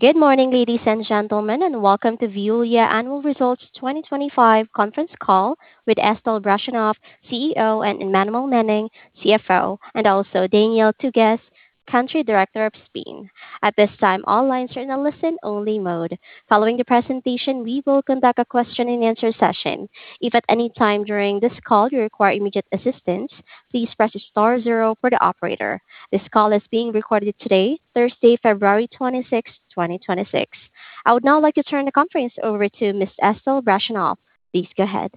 Good morning, ladies and gentlemen, welcome to Veolia Annual Results 2025 conference call with Estelle Brachlianoff, CEO, and Emmanuelle Menning, CFO, and also Daniel Tugues, Country Director of Spain. At this time, all lines are in a listen-only mode. Following the presentation, we will conduct a question-and-answer session. If at any time during this call you require immediate assistance, please press star 0 for the operator. This call is being recorded today, Thursday, February 26, 2026. I would now like to turn the conference over to Ms. Estelle Brachlianoff. Please go ahead.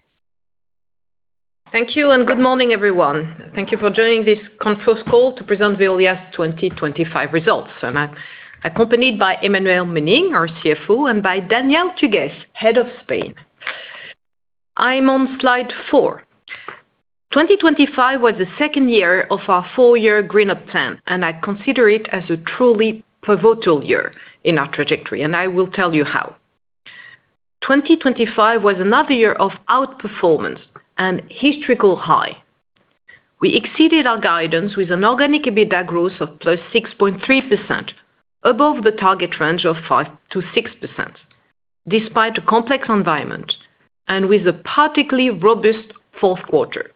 Thank you. Good morning, everyone. Thank you for joining this conference call to present Veolia's 2025 results. I'm accompanied by Emmanuelle Menning, our CFO, and by Daniel Tugues, head of Spain. I'm on slide 4. 2025 was the second year of our 4-year GreenUp plan. I consider it as a truly pivotal year in our trajectory. I will tell you how. 2025 was another year of outperformance and historical high. We exceeded our guidance with an organic EBITDA growth of +6.3%, above the target range of 5%-6%, despite a complex environment and with a particularly robust fourth quarter.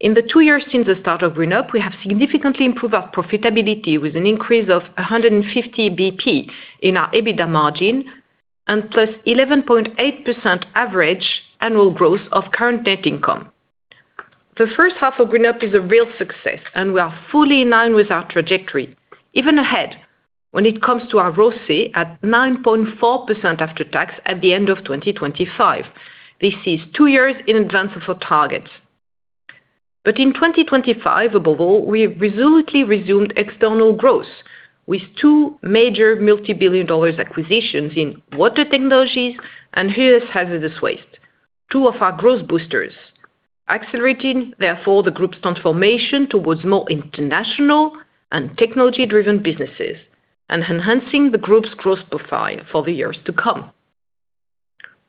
In the two years since the start of GreenUp, we have significantly improved our profitability with an increase of 150 BP in our EBITDA margin and +11.8% average annual growth of current net income. The first half of GreenUp is a real success, and we are fully in line with our trajectory, even ahead when it comes to our ROCE at 9.4% after tax at the end of 2025. This is two years in advance of our targets. In 2025, above all, we have resolutely resumed external growth with two major multibillion-dollar acquisitions in Water Technologies and hazardous waste. Two of our growth boosters, accelerating, therefore, the group's transformation towards more international and technology-driven businesses and enhancing the group's growth profile for the years to come.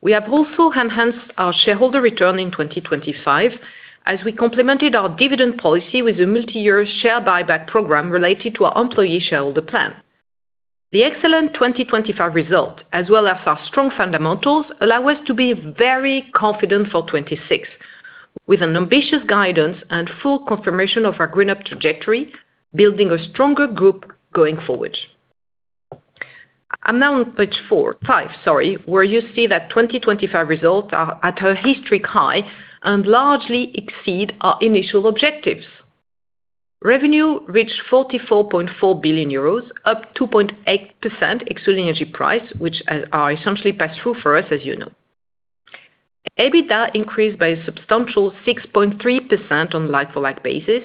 We have also enhanced our shareholder return in 2025 as we complemented our dividend policy with a multi-year share buyback program related to our employee shareholder plan. The excellent 2025 result, as well as our strong fundamentals, allow us to be very confident for 2026, with an ambitious guidance and full confirmation of our GreenUp trajectory, building a stronger group going forward. I'm now on page 5, sorry, where you see that 2025 results are at a historic high and largely exceed our initial objectives. Revenue reached 44.4 billion euros, up 2.8%, excluding energy price, which are essentially passed through for us, as you know. EBITDA increased by a substantial 6.3% on like-for-like basis,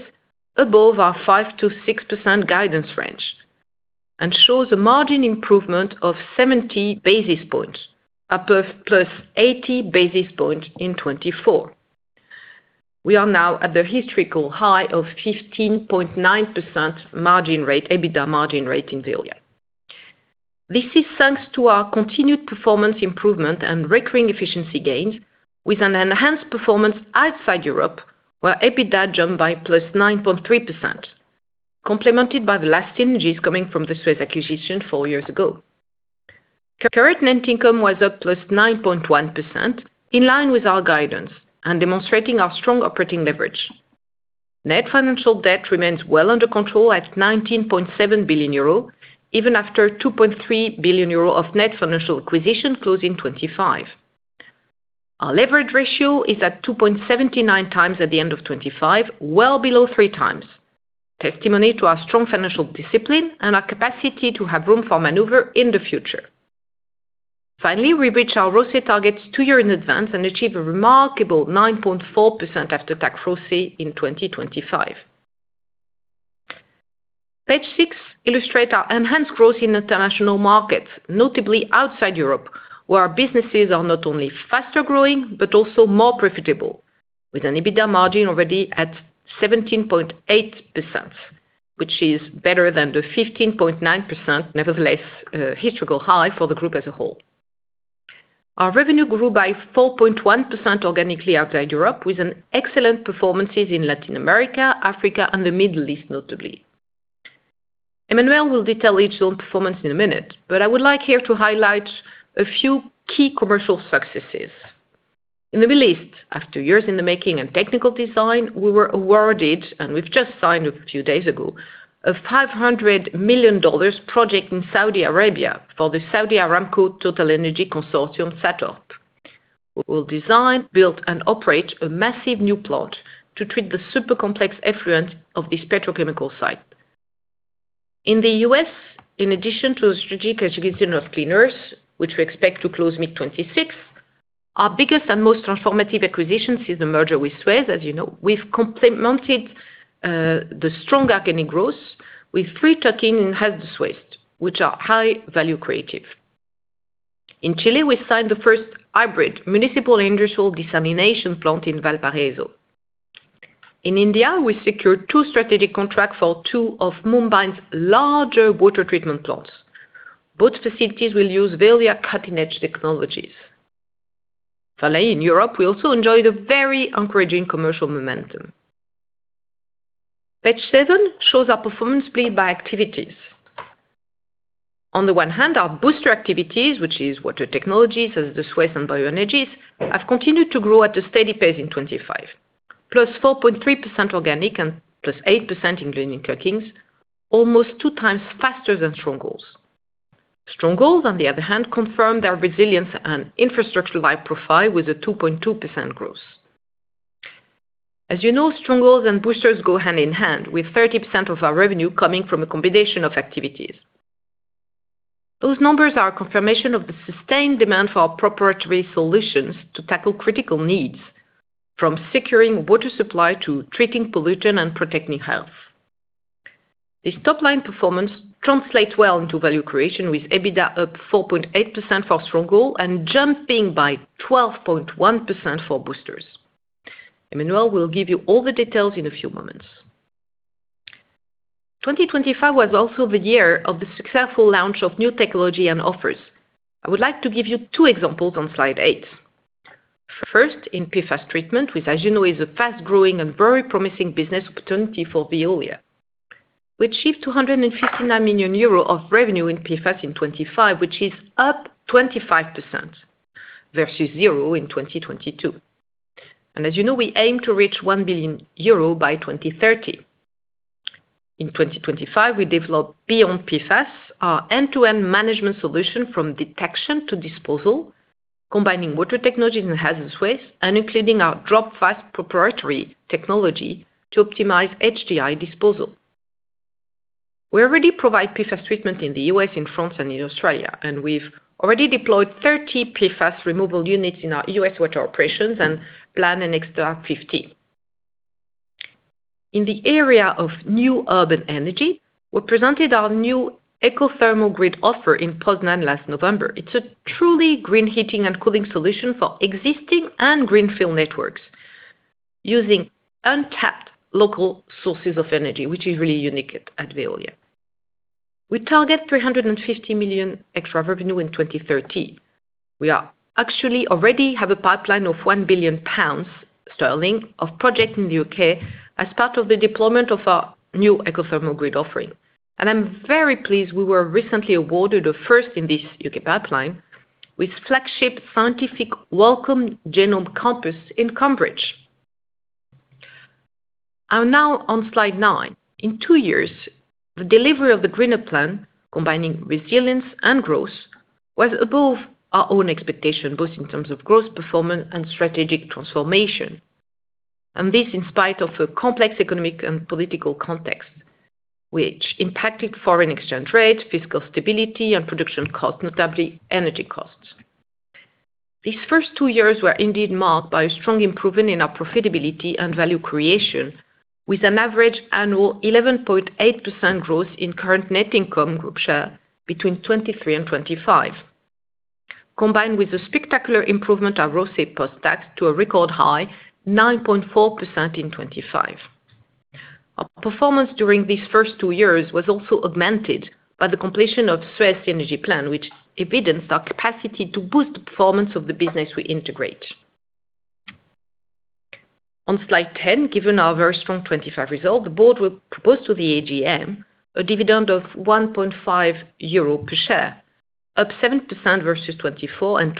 above our 5%-6% guidance range, and shows a margin improvement of 70 basis points, above +80 basis points in 2024. We are now at the historical high of 15.9% margin rate, EBITDA margin rate in Veolia. This is thanks to our continued performance improvement and recurring efficiency gain, with an enhanced performance outside Europe, where EBITDA jumped by +9.3%, complemented by the last synergies coming from the SUEZ acquisition 4 years ago. Current net income was up +9.1%, in line with our guidance and demonstrating our strong operating leverage. Net financial debt remains well under control at 19.7 billion euro, even after 2.3 billion euro of net financial acquisition close in 2025. Our leverage ratio is at 2.79x at the end of 2025, well below 3x, testimony to our strong financial discipline and our capacity to have room for maneuver in the future. Finally, we reached our ROCE targets 2 years in advance and achieved a remarkable 9.4% after-tax ROCE in 2025. Page 6 illustrate our enhanced growth in international markets, notably outside Europe, where our businesses are not only faster growing but also more profitable, with an EBITDA margin already at 17.8%, which is better than the 15.9%. Nevertheless, historical high for the group as a whole. Our revenue grew by 4.1% organically outside Europe, with an excellent performances in Latin America, Africa, and the Middle East, notably. Emmanuelle will detail each zone performance in a minute, but I would like here to highlight a few key commercial successes. In the Middle East, after years in the making and technical design, we were awarded, and we've just signed a few days ago, a $500 million project in Saudi Arabia for the Saudi Aramco TotalEnergies consortium, SATORP. We will design, build, and operate a massive new plant to treat the super complex effluent of this petrochemical site. In the U.S., in addition to a strategic acquisition of Clean Earth, which we expect to close mid-2026, our biggest and most transformative acquisitions is the merger with SUEZ, as you know. We've complemented the strong organic growth with three tuck-in in hazardous waste, which are high value creative. In Chile, we signed the first hybrid municipal industrial desalination plant in Valparaíso. In India, we secured two strategic contracts for two of Mumbai's larger water treatment plants. Both facilities will use Veolia cutting-edge technologies. In Europe, we also enjoyed a very encouraging commercial momentum. Page seven shows our performance split by activities. On the one hand, our Boosters activities, which is Water Technologies, hazardous waste and bioenergies, have continued to grow at a steady pace in 2025, +4.3% organic and +8% in earnings growth, almost 2 times faster than Strongholds. Strongholds, on the other hand, confirmed our resilience and infrastructure-wide profile with a 2.2% growth. As you know, Strongholds and Boosters go hand in hand, with 30% of our revenue coming from a combination of activities. Those numbers are a confirmation of the sustained demand for our proprietary solutions to tackle critical needs, from securing water supply to treating pollution and protecting health. This top-line performance translates well into value creation, with EBITDA up 4.8% for Strongholds and jumping by 12.1% for boosters. Emmanuelle will give you all the details in a few moments. 2025 was also the year of the successful launch of new technology and offers. I would like to give you two examples on slide 8. First, in PFAS treatment, which, as you know, is a fast-growing and very promising business opportunity for Veolia. We achieved 259 million euros of revenue in PFAS in 2025, which is up 25% versus 0 in 2022. As you know, we aim to reach 1 billion euro by 2030. In 2025, we developed BeyondPFAS, our end-to-end management solution, from detection to disposal, combining water technologies and hazardous waste and including our Drop Fast proprietary technology to optimize HDI disposal. We already provide PFAS treatment in the U.S., in France, and in Australia, and we've already deployed 30 PFAS removal units in our U.S. water operations and plan an extra 50. In the area of new urban energy, we presented our new Ecothermal Grid offer in Poznań last November. It's a truly green heating and cooling solution for existing and greenfield networks using untapped local sources of energy, which is really unique at Veolia. We target 350 million extra revenue in 2030. We actually already have a pipeline of 1 billion pounds of project in the U.K. as part of the deployment of our new Ecothermal Grid offering. I'm very pleased we were recently awarded a first in this U.K. pipeline with flagship scientific Wellcome Genome Campus in Cambridge. Now on slide 9. In two years, the delivery of the greener plan, combining resilience and growth, was above our own expectation, both in terms of growth, performance, and strategic transformation. This in spite of a complex economic and political context, which impacted foreign exchange rates, fiscal stability, and production costs, notably energy costs. These first two years were indeed marked by a strong improvement in our profitability and value creation, with an average annual 11.8% growth in current net income group share between 2023 and 2025. Combined with the spectacular improvement, our ROAS post-tax to a record high 9.4% in 2025. Our performance during these first two years was also augmented by the completion of Suez energy plan, which evidenced our capacity to boost the performance of the business we integrate. On slide 10, given our very strong 2025 result, the board will propose to the AGM a dividend of 1.5 euro per share, up 7% versus 2024, 20%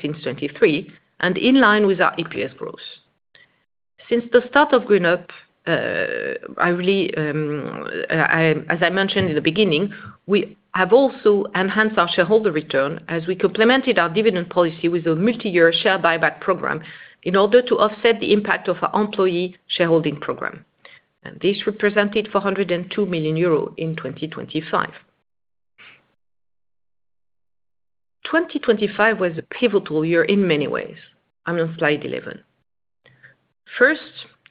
since 2023, in line with our EPS growth. Since the start of GreenUp, I really, as I mentioned in the beginning, we have also enhanced our shareholder return as we complemented our dividend policy with a multi-year share buyback program in order to offset the impact of our employee shareholding program. This represented 402 million euros in 2025. 2025 was a pivotal year in many ways. I'm on slide 11. First,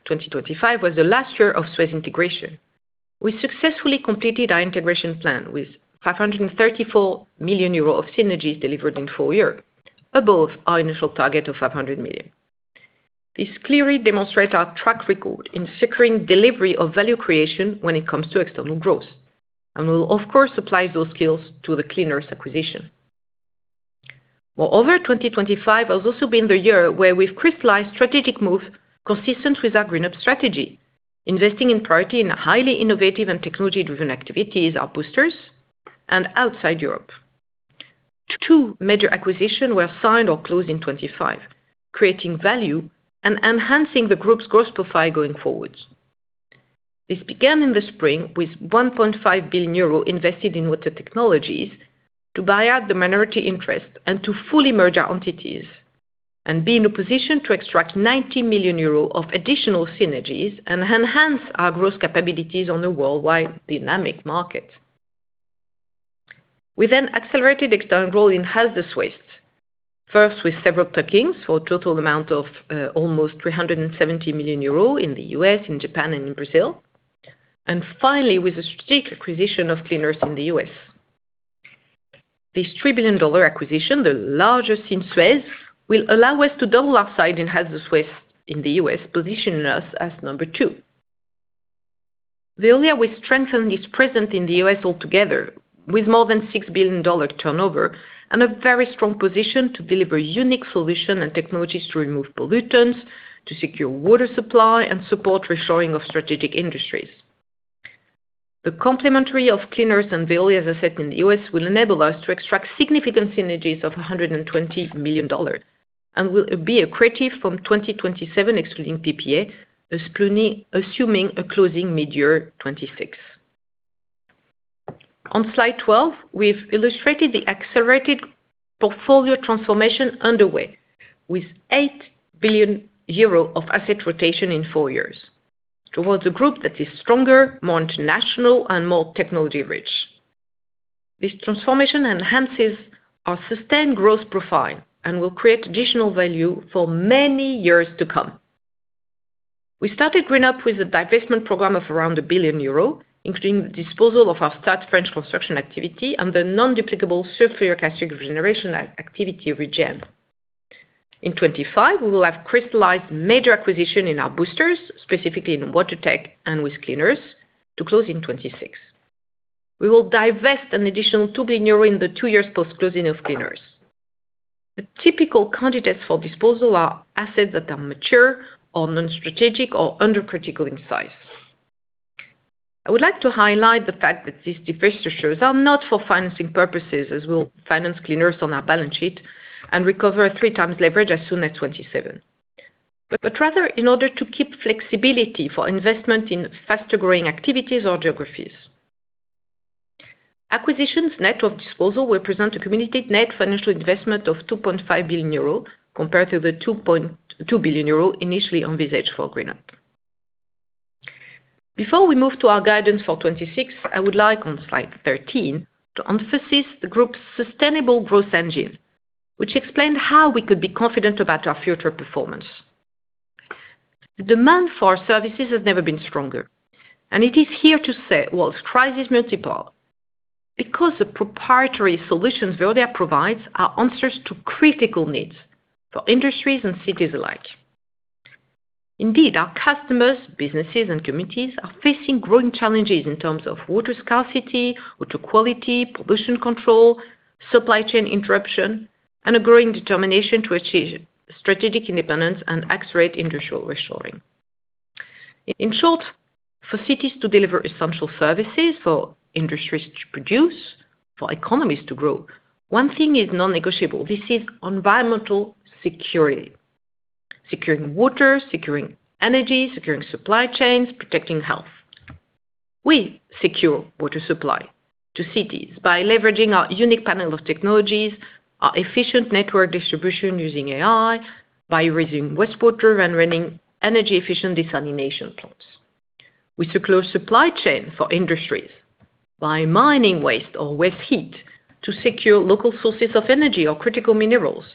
2025 was the last year of SUEZ integration. We successfully completed our integration plan with 534 million euros of synergies delivered in full year, above our initial target of 500 million. This clearly demonstrates our track record in securing delivery of value creation when it comes to external growth, and we will, of course, apply those skills to the Clean Earth acquisition. Over 2025 has also been the year where we've crystallized strategic moves consistent with our GreenUp strategy, investing in priority in highly innovative and technology-driven activities, our boosters and outside Europe. Two major acquisition were signed or closed in 2025, creating value and enhancing the group's growth profile going forward. This began in the spring with 1.5 billion euro invested in Water Technologies to buy out the minority interest and to fully merge our entities, and be in a position to extract 90 million euros of additional synergies and enhance our growth capabilities on a worldwide dynamic market. We then accelerated external growth in hazardous waste, first with several plug-ins for a total amount of almost 370 million euro in the U.S., in Japan, and in Brazil. Finally, with a strategic acquisition of Clean Earth in the U.S. This $3 billion acquisition, the largest in SUEZ, will allow us to double our side in hazardous waste in the U.S., positioning us as number two. Veolia will strengthen its presence in the US altogether, with more than $6 billion turnover and a very strong position to deliver unique solution and technologies to remove pollutants, to secure water supply, and support reshoring of strategic industries. The complementary of Clean Harbors and Veolia's asset in the US will enable us to extract significant synergies of $120 million. Will be accretive from 2027, excluding PPA, assuming a closing midyear 2026. On slide 12, we've illustrated the accelerated portfolio transformation underway, with 8 billion euros of asset rotation in four years, towards a group that is stronger, more international and more technology-rich. This transformation enhances our sustained growth profile and will create additional value for many years to come. We started GreenUp with a divestment program of around 1 billion euros, including the disposal of our stat French construction activity and the non-duplicable sulfuric acid regeneration activity, Regen. In 2025, we will have crystallized major acquisition in our boosters, specifically in Water Technologies and with Clean Earth, to close in 2026. We will divest an additional 2 billion euro in the two years post-closing of Clean Earth. The typical candidates for disposal are assets that are mature or non-strategic or under critical in size. I would like to highlight the fact that these divestitures are not for financing purposes, as we'll finance Clean Earth on our balance sheet and recover 3 times leverage as soon as 2027. Rather in order to keep flexibility for investment in faster-growing activities or geographies. Acquisitions net of disposal will present a cumulative net financial investment of 2.5 billion euro, compared to the 2.2 billion euro initially envisaged for GreenUp. Before we move to our guidance for 2026, I would like, on slide 13, to emphasize the group's sustainable growth engine, which explained how we could be confident about our future performance. The demand for our services has never been stronger, and it is here to stay, while crisis multiple. Because the proprietary solutions Veolia provides are answers to critical needs for industries and cities alike. Indeed, our customers, businesses, and committees are facing growing challenges in terms of water scarcity, water quality, pollution control, supply chain interruption, and a growing determination to achieve strategic independence and accelerate industrial reshoring. In short, for cities to deliver essential services, for industries to produce, for economies to grow, one thing is non-negotiable. This is environmental security. Securing water, securing energy, securing supply chains, protecting health. We secure water supply to cities by leveraging our unique panel of technologies, our efficient network distribution using AI, by raising wastewater and running energy-efficient desalination plants. We secure supply chain for industries by mining waste or waste heat to secure local sources of energy or critical minerals,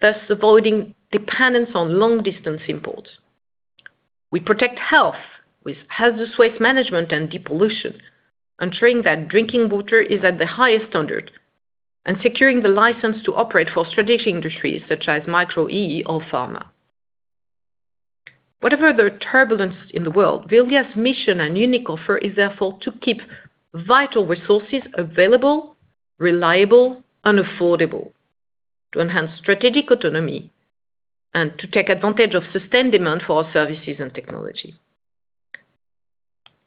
thus avoiding dependence on long-distance imports. We protect health with hazardous waste management and depollution, ensuring that drinking water is at the highest standard, and securing the license to operate for strategic industries such as micro E or pharma. Whatever the turbulence in the world, Veolia's mission and unique offer is therefore to keep vital resources available, reliable and affordable, to enhance strategic autonomy and to take advantage of sustained demand for our services and technology.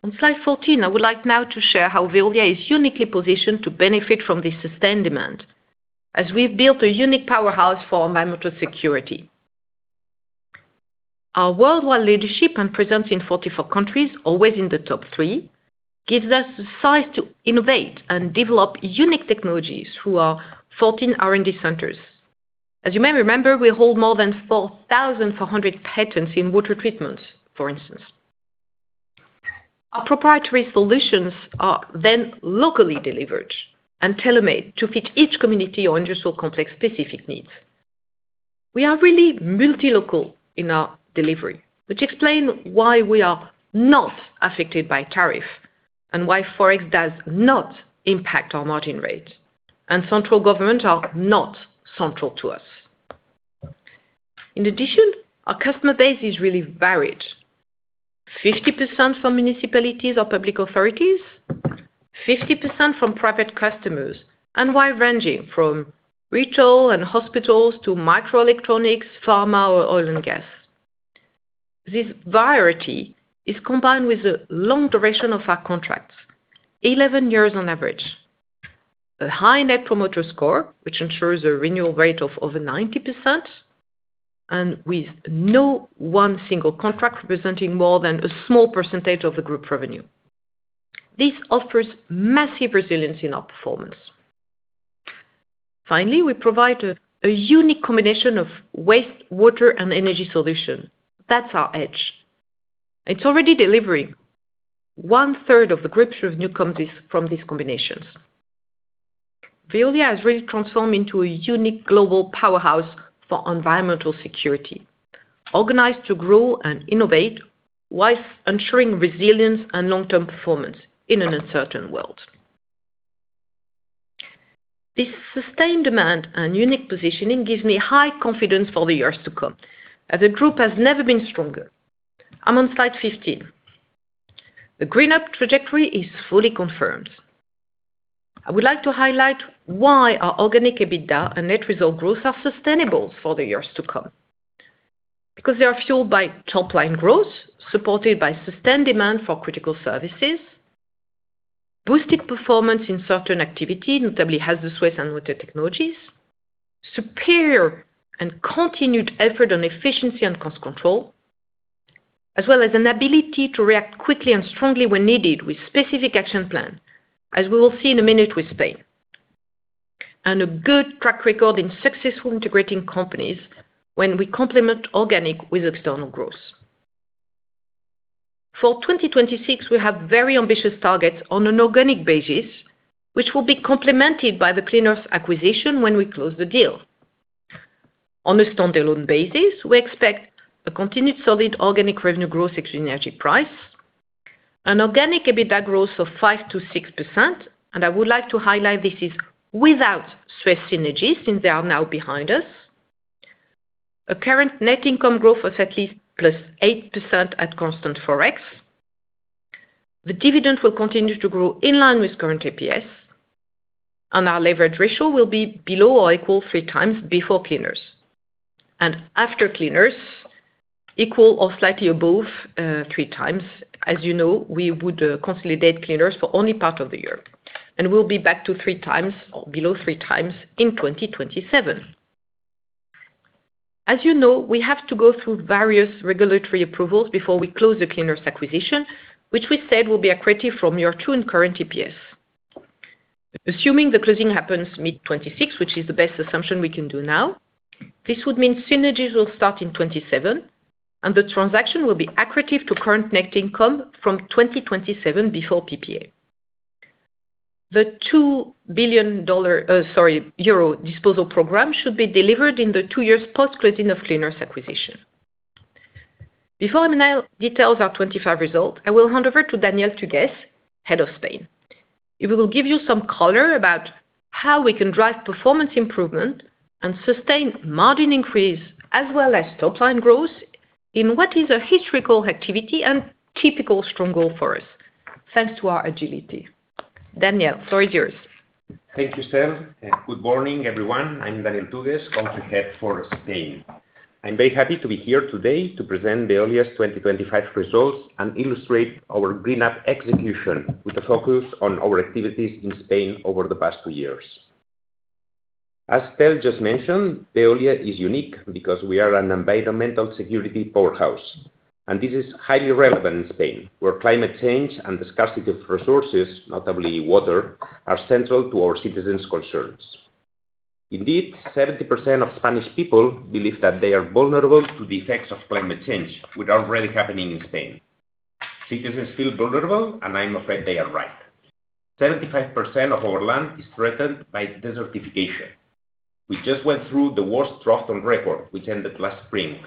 On slide 14, I would like now to share how Veolia is uniquely positioned to benefit from this sustained demand, as we've built a unique powerhouse for environmental security. Our worldwide leadership and presence in 44 countries, always in the top 3, gives us the size to innovate and develop unique technologies through our 14 R&D centers. As you may remember, we hold more than 4,400 patents in water treatment, for instance. Our proprietary solutions are then locally delivered and tailor-made to fit each community or industrial complex specific needs. We are really multi-local in our delivery, which explain why we are not affected by tariff and why Forex does not impact our margin rate. Central government are not central to us. Our customer base is really varied. 50% from municipalities or public authorities, 50% from private customers, and while ranging from retail and hospitals to microelectronics, pharma, or oil and gas. This variety is combined with the long duration of our contracts, 11 years on average, a high Net Promoter Score, which ensures a renewal rate of over 90%, and with no one single contract representing more than a small percentage of the group revenue. This offers massive resilience in our performance. Finally, we provide a unique combination of waste, water, and energy solution. That's our edge. It's already delivering. One third of the group's revenue comes from these combinations. Veolia has really transformed into a unique global powerhouse for environmental security, organized to grow and innovate, whilst ensuring resilience and long-term performance in an uncertain world. This sustained demand and unique positioning gives me high confidence for the years to come, as the group has never been stronger. I'm on slide 15. The GreenUp trajectory is fully confirmed. I would like to highlight why our organic EBITDA and net result growth are sustainable for the years to come. because they are fueled by top-line growth, supported by sustained demand for critical services, boosted performance in certain activity, notably hazardous waste and Water Technologies, superior and continued effort on efficiency and cost control, as well as an ability to react quickly and strongly when needed with specific action plan, as we will see in a minute with Spain. A good track record in successful integrating companies when we complement organic with external growth. For 2026, we have very ambitious targets on an organic basis, which will be complemented by the Clean Earth acquisition when we close the deal. On a standalone basis, we expect a continued solid organic revenue growth ex energy price, an organic EBITDA growth of 5%-6%, and I would like to highlight this is without Suez synergies, since they are now behind us. A current net income growth of at least +8% at constant Forex. The dividend will continue to grow in line with current EPS, and our leverage ratio will be below or equal 3 times before Clean Earth. After Clean Earth, equal or slightly above 3 times. As you know, we would consolidate Clean Earth for only part of the year, and we'll be back to 3 times or below 3 times in 2027. As you know, we have to go through various regulatory approvals before we close the Clean Earth acquisition, which we said will be accretive from year 2 in current EPS. Assuming the closing happens mid 2026, which is the best assumption we can do now, this would mean synergies will start in 2027, and the transaction will be accretive to current net income from 2027 before PPA. The EUR 2 billion, sorry, euro disposal program, should be delivered in the two years post-closing of Clean Earth's acquisition. Before I now details our 2025 results, I will hand over to Daniel Tugues, Head of Spain. He will give you some color about how we can drive performance improvement and sustain margin increase, as well as top line growth, in what is a historical activity and typical strong goal for us, thanks to our agility. Daniel, the floor is yours. Thank you, Estelle, and good morning, everyone. I'm Daniel Tugues, Country Head for Spain. I'm very happy to be here today to present Veolia's 2025 results and illustrate our GreenUp execution, with a focus on our activities in Spain over the past two years. As Estelle just mentioned, Veolia is unique because we are an environmental security powerhouse, and this is highly relevant in Spain, where climate change and the scarcity of resources, notably water, are central to our citizens' concerns. Indeed, 70% of Spanish people believe that they are vulnerable to the effects of climate change, which are already happening in Spain. Citizens feel vulnerable, and I'm afraid they are right. 75% of our land is threatened by desertification. We just went through the worst drought on record, which ended last spring,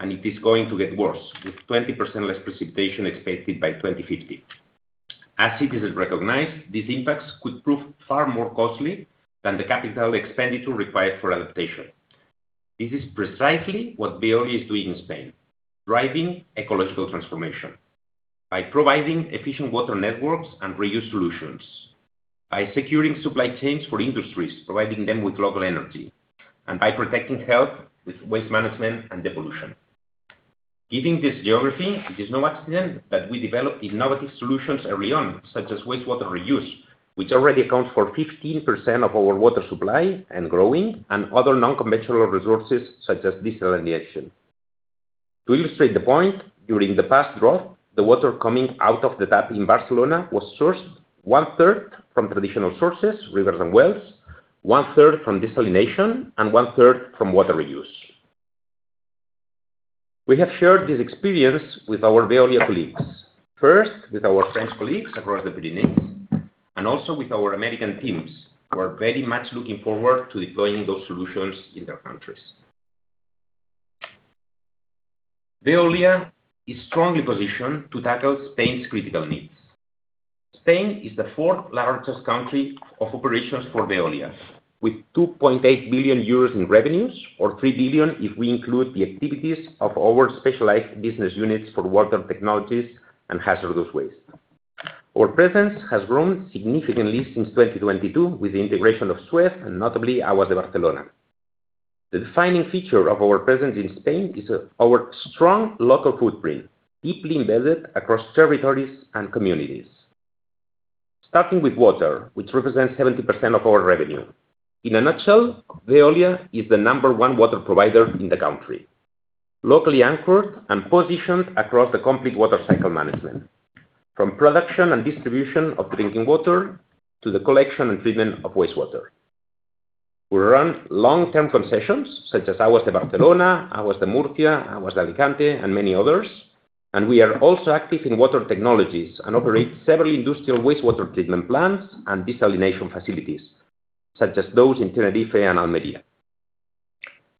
and it is going to get worse, with 20% less precipitation expected by 2050. As citizens recognize, these impacts could prove far more costly than the capital expenditure required for adaptation. This is precisely what Veolia is doing in Spain, driving ecological transformation by providing efficient water networks and reuse solutions, by securing supply chains for industries, providing them with local energy, and by protecting health with waste management and devolution. Given this geography, it is no accident that we developed innovative solutions early on, such as wastewater reuse, which already accounts for 15% of our water supply and growing, and other non-conventional resources such as desalination. To illustrate the point, during the past drought, the water coming out of the tap in Barcelona was sourced one-third from traditional sources, rivers and wells, one-third from desalination, and one-third from water reuse. We have shared this experience with our Veolia colleagues. First, with our French colleagues across the Pyrenees, and also with our American teams, who are very much looking forward to deploying those solutions in their countries. Veolia is strongly positioned to tackle Spain's critical needs. Spain is the fourth largest country of operations for Veolia, with 2.8 billion euros in revenues, or 3 billion, if we include the activities of our specialized business units for Water Technologies and hazardous waste. Our presence has grown significantly since 2022, with the integration of SUEZ and notably, Aigües de Barcelona. The defining feature of our presence in Spain is our strong local footprint, deeply embedded across territories and communities. Starting with water, which represents 70% of our revenue. In a nutshell, Veolia is the number one water provider in the country, locally anchored and positioned across the complete water cycle management, from production and distribution of drinking water to the collection and treatment of wastewater. We run long-term concessions, such as Aigües de Barcelona, Aguas de Murcia, Aguas de Alicante, and many others. We are also active in Water Technologies and operate several industrial wastewater treatment plants and desalination facilities, such as those in Tenerife and Almeria.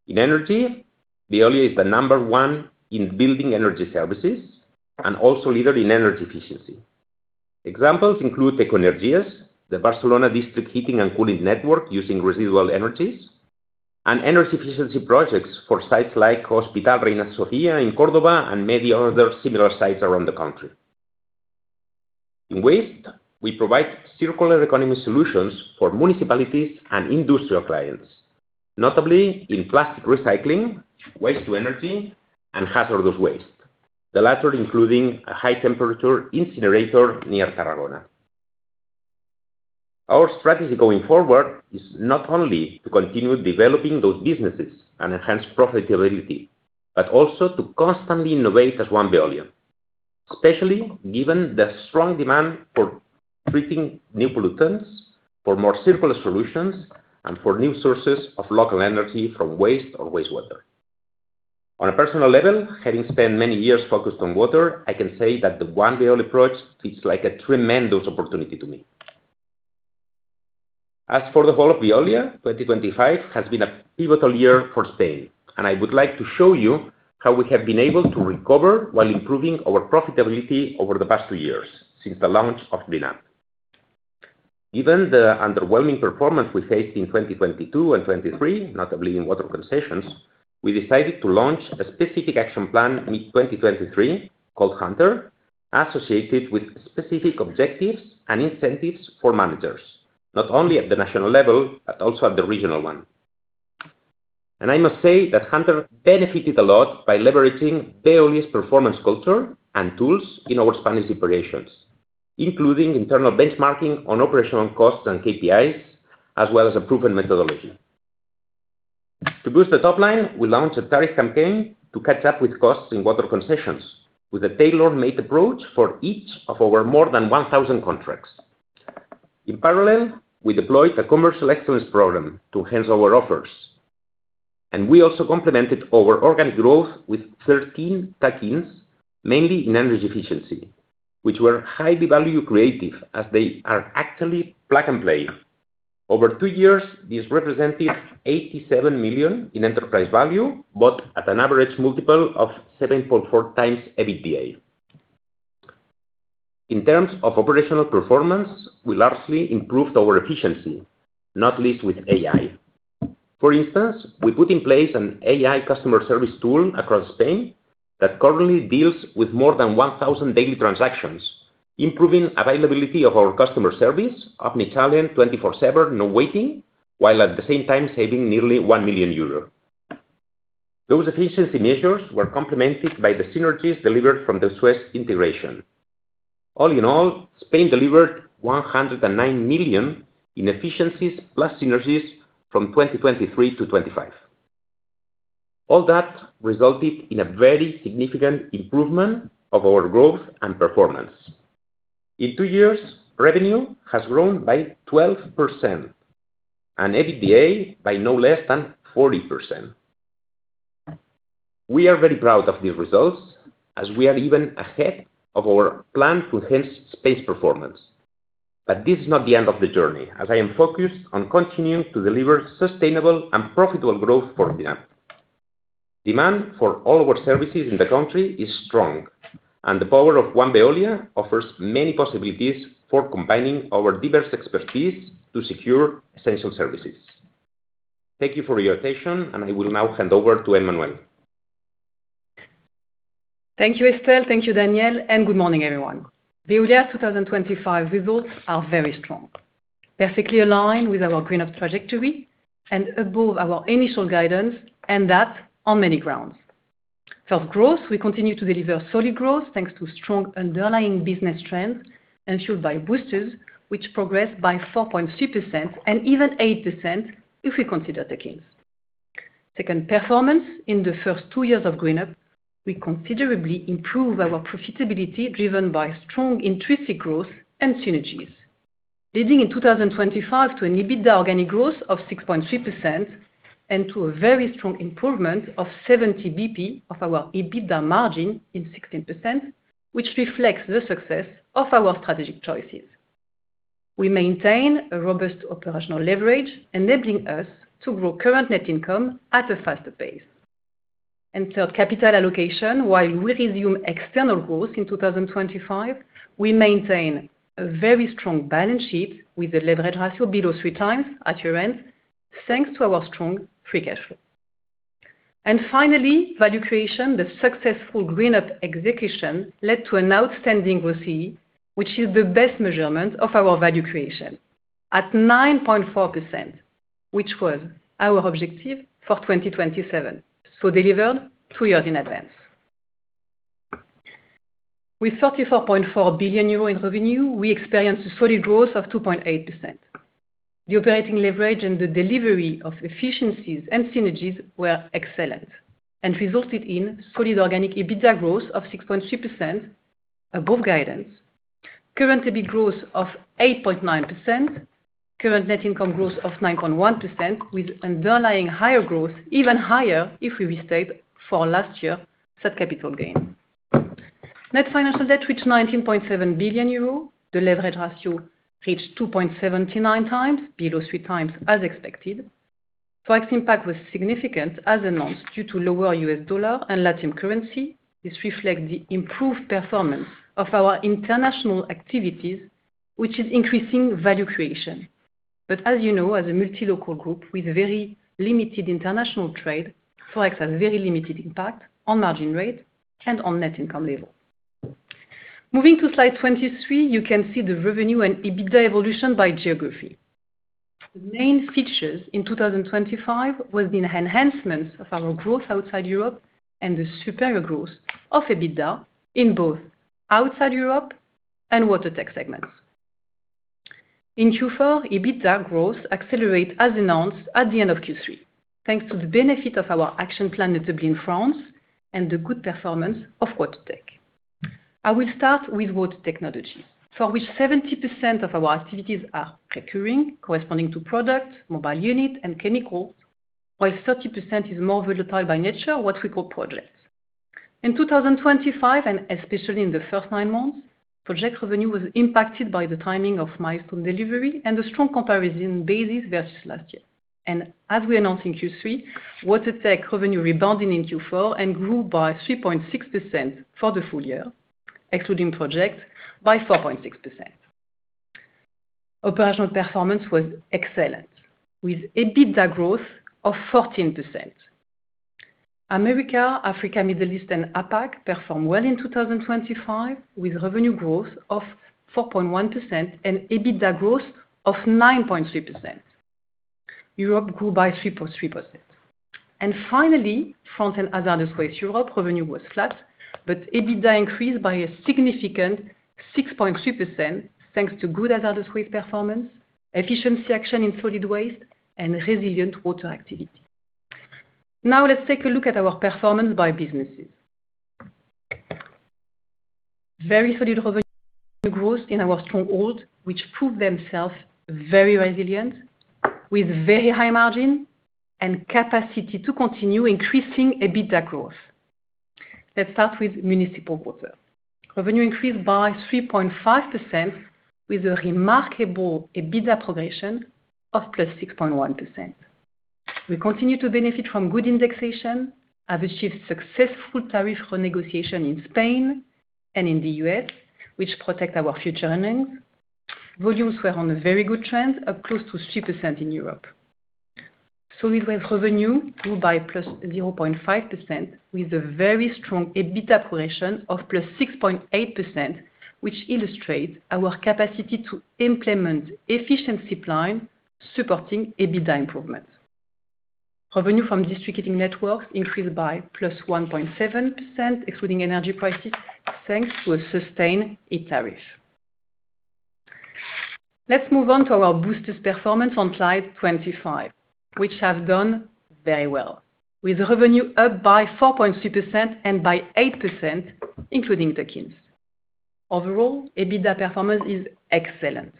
In energy, Veolia is the number one in building energy services and also leader in energy efficiency. Examples include Ecoenergies, the Barcelona district heating and cooling network using residual energies, and energy efficiency projects for sites like Hospital Reina Sofia in Córdoba and many other similar sites around the country.... In waste, we provide circular economy solutions for municipalities and industrial clients, notably in plastic recycling, waste to energy, and hazardous waste. The latter, including a high temperature incinerator near Tarragona. Our strategy going forward is not only to continue developing those businesses and enhance profitability, but also to constantly innovate as One Veolia. Especially, given the strong demand for treating new pollutants, for more circular solutions, and for new sources of local energy from waste or wastewater. On a personal level, having spent many years focused on water, I can say that the One Veolia approach feels like a tremendous opportunity to me. As for the whole of Veolia, 2025 has been a pivotal year for Spain, and I would like to show you how we have been able to recover while improving our profitability over the past two years since the launch of the plan. Given the underwhelming performance we faced in 2022 and 2023, notably in water concessions, we decided to launch a specific action plan mid-2023, called Hunter, associated with specific objectives and incentives for managers, not only at the national level, but also at the regional one. I must say that Hunter benefited a lot by leveraging Veolia's performance culture and tools in our Spanish operations, including internal benchmarking on operational costs and KPIs, as well as a proven methodology. To boost the top line, we launched a tariff campaign to catch up with costs in water concessions, with a tailor-made approach for each of our more than 1,000 contracts. In parallel, we deployed a commercial excellence program to enhance our offers, and we also complemented our organic growth with 13 tuck-ins, mainly in energy efficiency, which were highly value creative, as they are actually plug and play. Over 2 years, this represented 87 million in enterprise value, but at an average multiple of 7.4x EBITDA. In terms of operational performance, we largely improved our efficiency, not least with AI. For instance, we put in place an AI customer service tool across Spain, that currently deals with more than 1,000 daily transactions, improving availability of our customer service, up an Italian 24/7, no waiting, while at the same time saving nearly 1 million euros. Those efficiency measures were complemented by the SUEZ synergies delivered from the SUEZ integration. All in all, Spain delivered 109 million in efficiencies plus synergies from 2023 to 2025. All that resulted in a very significant improvement of our growth and performance. In 2 years, revenue has grown by 12% and EBITDA by no less than 40%. We are very proud of these results, as we are even ahead of our plan to enhance Spain performance. This is not the end of the journey, as I am focused on continuing to deliver sustainable and profitable growth for demand. Demand for all our services in the country is strong. The power of One Veolia offers many possibilities for combining our diverse expertise to secure essential services. Thank you for your attention. I will now hand over to Emmanuelle. Thank you, Estelle. Thank you, Daniel. Good morning, everyone. Veolia's 2025 results are very strong, perfectly aligned with our GreenUp trajectory and above our initial guidance, and that on many grounds. First, growth. We continue to deliver solid growth, thanks to strong underlying business trends ensured by boosters, which progressed by 4.3%, and even 8%, if we consider the gains. Second, performance. In the first 2 years of GreenUp, we considerably improved our profitability, driven by strong intrinsic growth and synergies. Leading in 2025 to an EBITDA organic growth of 6.3%, and to a very strong improvement of 70 basis points of our EBITDA margin in 16%, which reflects the success of our strategic choices. We maintain a robust operational leverage, enabling us to grow current net income at a faster pace. Third, capital allocation. While we resume external growth in 2025, we maintain a very strong balance sheet with a leverage ratio below 3 times at year-end, thanks to our strong free cash flow. Finally, value creation. The successful GreenUp execution led to an outstanding ROCE, which is the best measurement of our value creation at 9.4%, which was our objective for 2027, delivered 2 years in advance. With 34.4 billion euro in revenue, we experienced a solid growth of 2.8%. The operating leverage and the delivery of efficiencies and synergies were excellent and resulted in solid organic EBITDA growth of 6.3%, above guidance, current EBITDA growth of 8.9%, current net income growth of 9.1%, with underlying higher growth, even higher if we restate for last year, such capital gain. Net financial debt reached 19.7 billion euro. The leverage ratio reached 2.79 times, below 3 times as expected. FX impact was significant as announced, due to lower US dollar and Latin currency. This reflects the improved performance of our international activities, which is increasing value creation. As you know, as a multi-local group with very limited international trade, Forex has very limited impact on margin rate and on net income level. Moving to slide 23, you can see the revenue and EBITDA evolution by geography. The main features in 2025 was the enhancements of our growth outside Europe and the superior growth of EBITDA in both outside Europe and Watertech segments. In Q4, EBITDA growth accelerate as announced at the end of Q3, thanks to the benefit of our action plan at Veolia in France, and the good performance of Watertech. I will start with Water Technologies, for which 70% of our activities are recurring, corresponding to product, mobile unit, and chemical, while 30% is more volatile by nature, what we call projects. In 2025, and especially in the first 9 months, project revenue was impacted by the timing of milestone delivery and the strong comparison basis versus last year. As we announced in Q3, Watertech revenue rebounding in Q4 and grew by 3.6% for the full year, excluding projects, by 4.6%. Operational performance was excellent, with EBITDA growth of 14%. America, Africa, Middle East, and APAC performed well in 2025, with revenue growth of 4.1% and EBITDA growth of 9.3%. Europe grew by 3.3%. France and Hazardous Waste Europe, revenue was flat, but EBITDA increased by a significant 6.3%, thanks to good hazardous waste performance, efficiency action in solid waste, and resilient water activity. Let's take a look at our performance by businesses. Very solid revenue growth in our stronghold, which proved themselves very resilient, with very high margin and capacity to continue increasing EBITDA growth. Let's start with municipal water. Revenue increased by 3.5%, with a remarkable EBITDA progression of +6.1%. We continue to benefit from good indexation, have achieved successful tariff renegotiation in Spain and in the US, which protect our future earnings. Volumes were on a very good trend, up close to 3% in Europe. Solid waste revenue grew by +0.5%, with a very strong EBITDA progression of +6.8%, which illustrates our capacity to implement efficiency plan, supporting EBITDA improvements. Revenue from distributing networks increased by +1.7%, excluding energy prices, thanks to a sustained e-tariff. Let's move on to our boosters performance on slide 25, which has done very well, with revenue up by 4.2% and by 8%, including take-ins. Overall, EBITDA performance is excellent,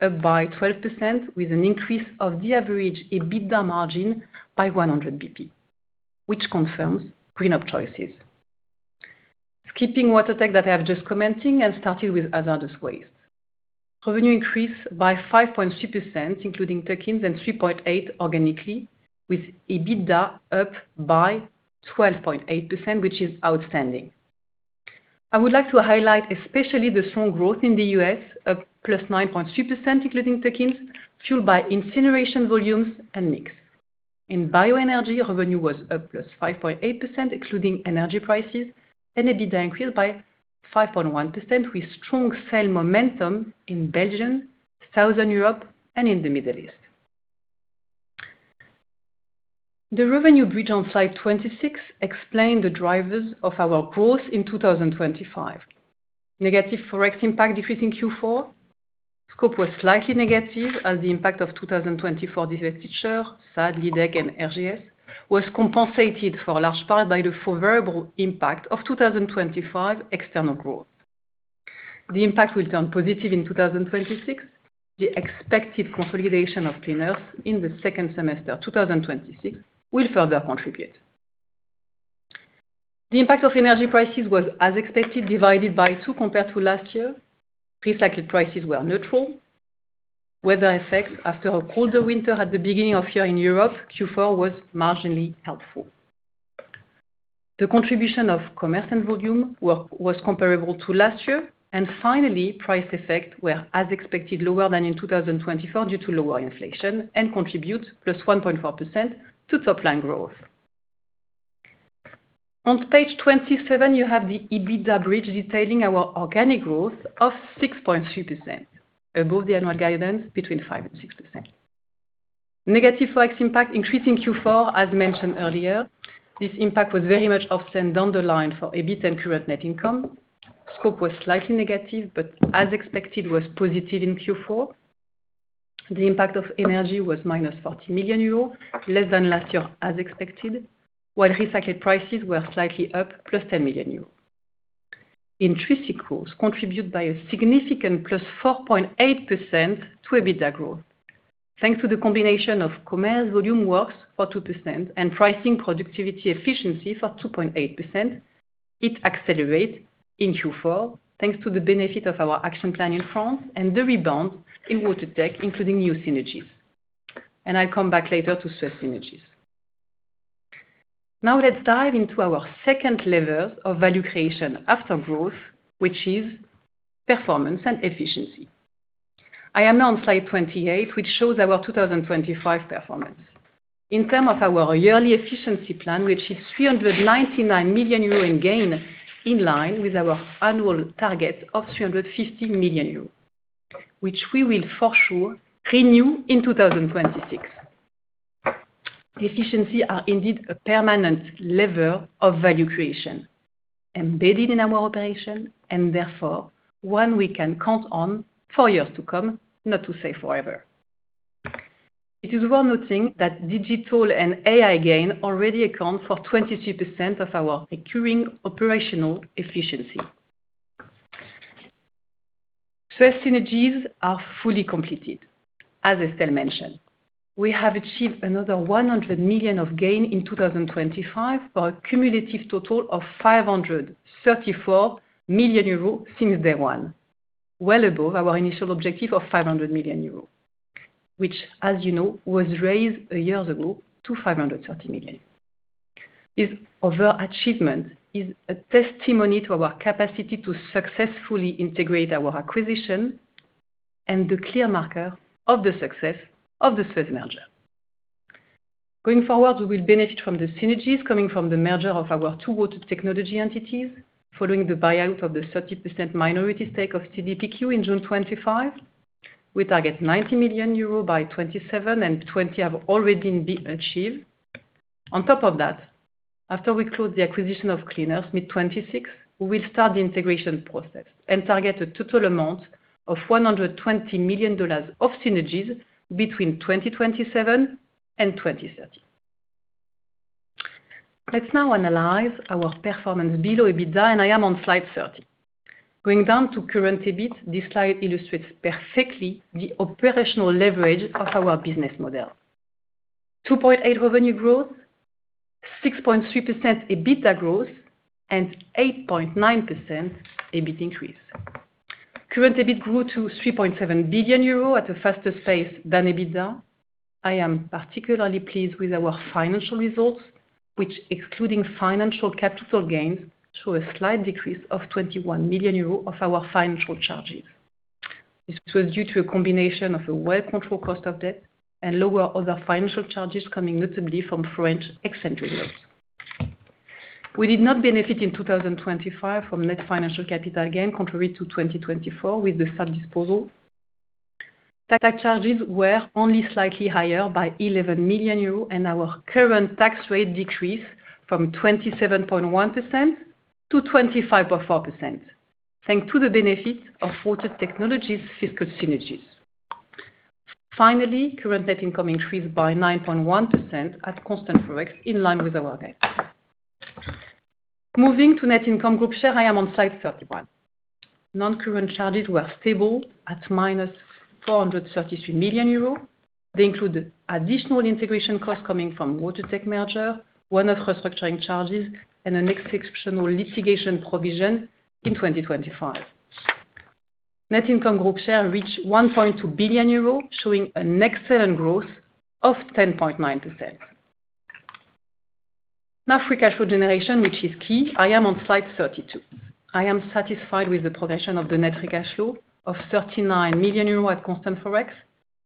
up by 12%, with an increase of the average EBITDA margin by 100 basis points, which confirms GreenUp choices. Skipping Watertech that I have just commenting and starting with hazardous waste. Revenue increased by 5.3%, including take-ins, and 3.8% organically, with EBITDA up by 12.8%, which is outstanding. I would like to highlight especially the strong growth in the U.S., up +9.3%, including takeins, fueled by incineration volumes and mix. In bioenergy, revenue was up +5.8%, excluding energy prices, and EBITDA increased by 5.1%, with strong sale momentum in Belgium, Southern Europe, and in the Middle East. The revenue bridge on slide 26 explain the drivers of our growth in 2025. Negative Forex impact decreasing Q4. Scope was slightly negative as the impact of 2024 deselect feature, SAD, Lidec, and RGS, was compensated for a large part by the favorable impact of 2025 external growth. The impact will turn positive in 2026. The expected consolidation of Clean Earth in the second semester of 2026 will further contribute. The impact of energy prices was, as expected, divided by two compared to last year. Recycled prices were neutral. Weather effects after a colder winter at the beginning of year in Europe, Q4 was marginally helpful. The contribution of commerce and volume was comparable to last year. Finally, price effects were, as expected, lower than in 2024, due to lower inflation and contribute +1.4% to top line growth. On page 27, you have the EBITDA bridge, detailing our organic growth of 6.3%, above the annual guidance between 5% and 6%. Negative Forex impact increased in Q4, as mentioned earlier. This impact was very much often down the line for EBIT and current net income. Scope was slightly negative, as expected, was positive in Q4. The impact of energy was -40 million euros, less than last year, as expected, while recycled prices were slightly up, +10 million euros. Intrinsic growth contribute by a significant +4.8% to EBITDA growth. Thanks to the combination of commercial volume works for 2% and pricing productivity efficiency for 2.8%, it accelerates in Q4, thanks to the benefit of our action plan in France and the rebound in Watertech, including new synergies. I'll come back later to share synergies. Let's dive into our second level of value creation after growth, which is performance and efficiency. I am now on slide 28, which shows our 2025 performance. In term of our yearly efficiency plan, which is 399 million euros in gain, in line with our annual target of 350 million euros, which we will for sure renew in 2026. Efficiency are indeed a permanent level of value creation, embedded in our operation, and therefore, one we can count on for years to come, not to say forever. It is worth noting that digital and AI gain already account for 22% of our recurring operational efficiency. First, synergies are fully completed. As Estelle mentioned, we have achieved another 100 million of gain in 2025, for a cumulative total of 534 million euros since day one, well above our initial objective of 500 million euros, which, as you know, was raised a year ago to 530 million. This overall achievement is a testimony to our capacity to successfully integrate our acquisition and the clear marker of the success of this first merger. Going forward, we will benefit from the synergies coming from the merger of our two water technology entities, following the buyout of the 30% minority stake of CDPQ in June 2025. We target 90 million euros by 2027, and 20 have already been achieved. On top of that, after we close the acquisition of Cleanovate mid-2026, we will start the integration process and target a total amount of $120 million of synergies between 2027 and 2030. Let's now analyze our performance below EBITDA, and I am on slide 30. Going down to current EBIT, this slide illustrates perfectly the operational leverage of our business model. 2.8% revenue growth, 6.3% EBITDA growth, 8.9% EBIT increase. Current EBIT grew to 3.7 billion euro at a faster pace than EBITDA. I am particularly pleased with our financial results, which excluding financial capital gains, show a slight decrease of 21 million euros of our financial charges. This was due to a combination of a well-controlled cost of debt and lower other financial charges coming notably from French actualisation rate. We did not benefit in 2025 from net financial capital gain, contrary to 2024, with the subsidiary disposal. Tax charges were only slightly higher by 11 million euros, and our current tax rate decreased from 27.1% to 25.4%, thanks to the benefit of Water Technologies fiscal synergies. Current net income increased by 9.1% at constant Forex, in line with our guide. Moving to net income group share, I am on slide 31. Non-current charges were stable at minus 433 million euros. They include additional integration costs coming from Water Tech merger, one of restructuring charges, and an exceptional litigation provision in 2025. Net income group share reached 1.2 billion euros, showing an excellent growth of 10.9%. Free cash flow generation, which is key. I am on slide 32. I am satisfied with the progression of the net free cash flow of 39 million euros at constant Forex,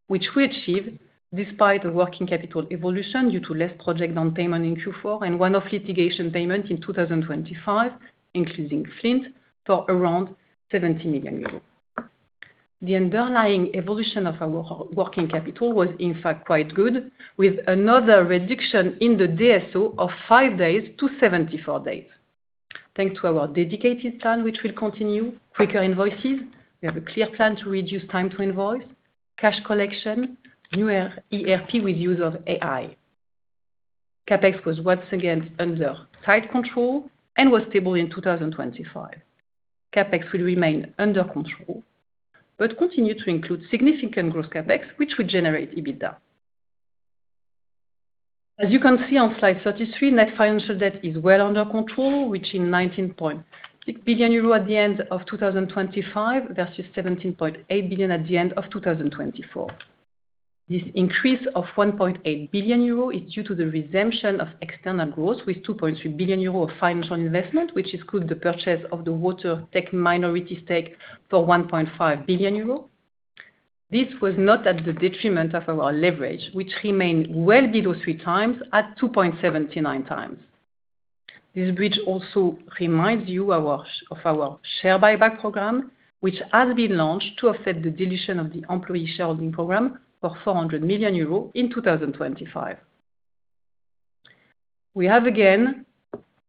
which we achieved despite the working capital evolution due to less project down payment in Q4 and one-off litigation payment in 2025, including Flint, for around 70 million euros. The underlying evolution of our working capital was, in fact, quite good, with another reduction in the DSO of 5 days to 74 days. Thanks to our dedicated plan, which will continue, quicker invoices, we have a clear plan to reduce time to invoice, cash collection, new ERP with use of AI. CapEx was once again under tight control and was stable in 2025. CapEx will remain under control, continue to include significant growth CapEx, which will generate EBITDA. As you can see on slide 33, net financial debt is well under control, which in 19.6 billion euro at the end of 2025, versus 17.8 billion at the end of 2024. This increase of 1.8 billion euro is due to the redemption of external growth with 2.3 billion euro of financial investment, which include the purchase of the Water Technologies minority stake for 1.5 billion euro. This was not at the detriment of our leverage, which remained well below 3 times at 2.79 times. This bridge also reminds you of our share buyback program, which has been launched to offset the dilution of the employee shareholding program for 400 million euros in 2025. We have, again,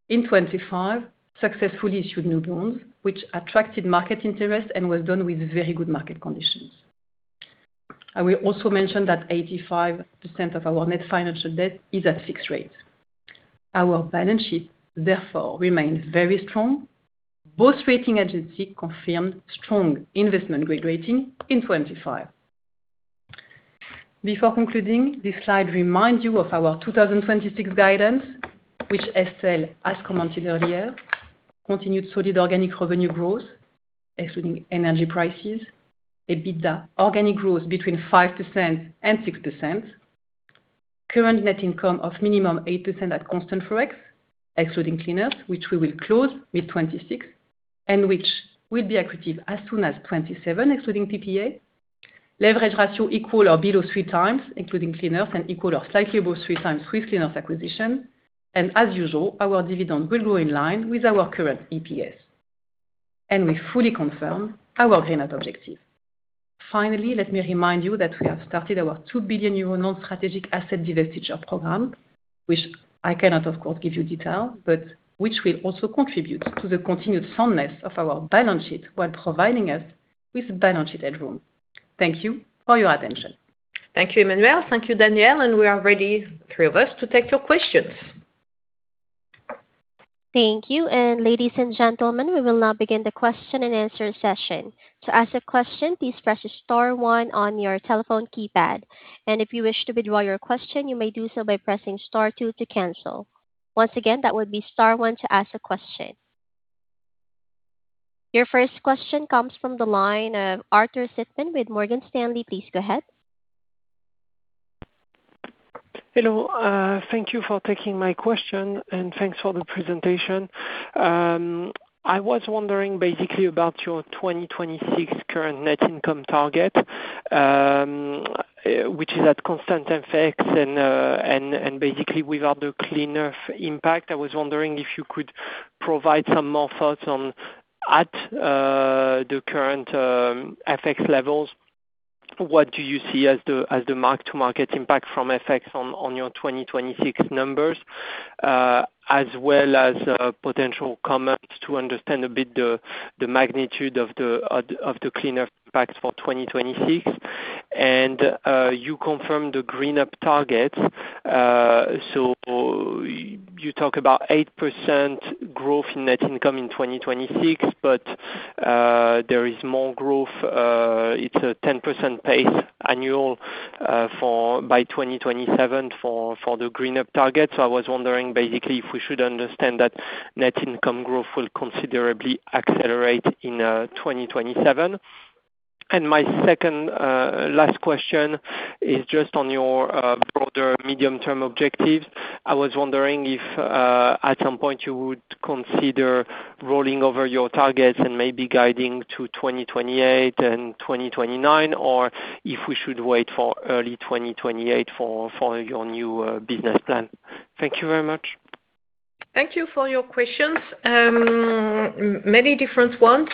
in 2025, successfully issued new bonds, which attracted market interest and was done with very good market conditions. I will also mention that 85% of our net financial debt is at fixed rate. Our balance sheet, therefore, remains very strong. Both rating agency confirmed strong investment grade rating in 2025. Before concluding, this slide reminds you of our 2026 guidance, which Estelle has commented earlier. Continued solid organic revenue growth excluding energy prices. EBITDA organic growth between 5% and 6%. Current net income of minimum 8% at constant Forex, excluding Clean Earth, which we will close mid-2026, and which will be accretive as soon as 2027, excluding PPA. Leverage ratio equal or below 3 times, including Clean Earth, and equal or slightly above 3 times with Clean Earth acquisition. As usual, our dividend will grow in line with our current EPS. We fully confirm our GreenUp objective. Let me remind you that we have started our 2 billion euro non-strategic asset divestiture program, which I cannot, of course, give you detail, but which will also contribute to the continued soundness of our balance sheet while providing us with balance sheet headroom. Thank you for your attention. Thank you, Emmanuelle. Thank you, Danielle, and we are ready, three of us, to take your questions. Thank you. Ladies and gentlemen, we will now begin the question and answer session. To ask a question, please press star one on your telephone keypad, and if you wish to withdraw your question, you may do so by pressing star two to cancel. Once again, that would be star one to ask a question. Your first question comes from the line of Arthur Sitman with Morgan Stanley. Please go ahead. Hello, thank you for taking my question, and thanks for the presentation. I was wondering basically about your 2026 current net income target, which is at constant FX and basically without the Clean Earth impact. I was wondering if you could provide some more thoughts on at the current FX levels. What do you see as the mark to market impact from FX on your 2026 numbers? As well as potential comments to understand a bit the magnitude of the Clean Earth impact for 2026. You confirmed the GreenUp target. You talk about 8% growth in net income in 2026, there is more growth. It's a 10% pace annual for by 2027 for the GreenUp target. I was wondering basically if we should understand that net income growth will considerably accelerate in 2027. My second last question is just on your broader medium-term objectives. I was wondering if at some point, you would consider rolling over your targets and maybe guiding to 2028 and 2029, or if we should wait for early 2028 for your new business plan. Thank you very much. Thank you for your questions. Many different ones.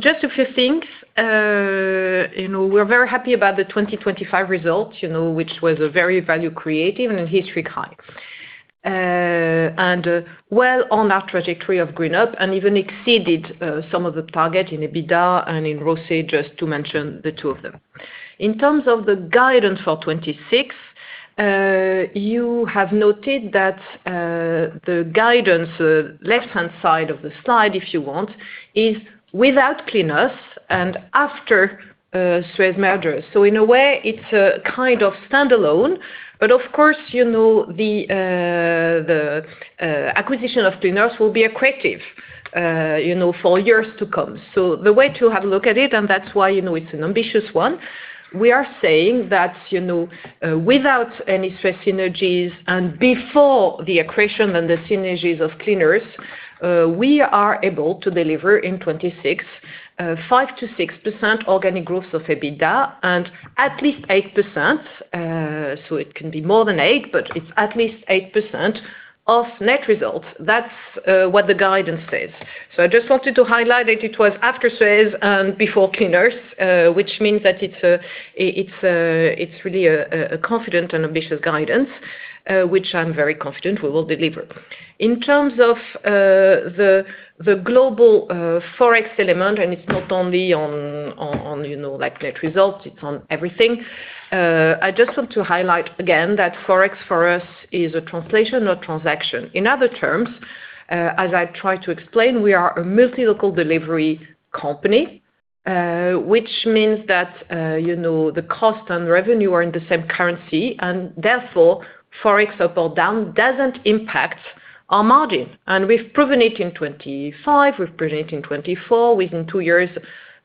Just a few things. You know, we're very happy about the 2025 results, you know, which was very value creative and a historic high. Well, on our trajectory of GreenUp and even exceeded some of the target in EBITDA and in ROCE, just to mention the two of them. In terms of the guidance for 2026, you have noted that the guidance left-hand side of the slide, if you want, is without Clean Earth and after Suez merger. In a way, it's a kind of standalone, but of course, you know, the acquisition of Clean Earth will be accretive, you know, for years to come. The way to have a look at it, and that's why, you know, it's an ambitious one, we are saying that, you know, without any Suez synergies and before the accretion and the synergies of Clean Earth, we are able to deliver in 2026, 5%-6% organic growth of EBITDA and at least 8%. It can be more than 8, but it's at least 8% of net results. That's what the guidance says. I just wanted to highlight it. It was after Suez and before Clean Earth, which means that it's really a confident and ambitious guidance, which I'm very confident we will deliver. In terms of the global Forex element, and it's not only on, on, you know, like, net results, it's on everything. I just want to highlight again that Forex for us is a translation, not transaction. In other terms, as I tried to explain, we are a multi-local delivery company, which means that, you know, the cost and revenue are in the same currency, and therefore, Forex up or down doesn't impact our margin, and we've proven it in 25, we've proven it in 24, within 2 years,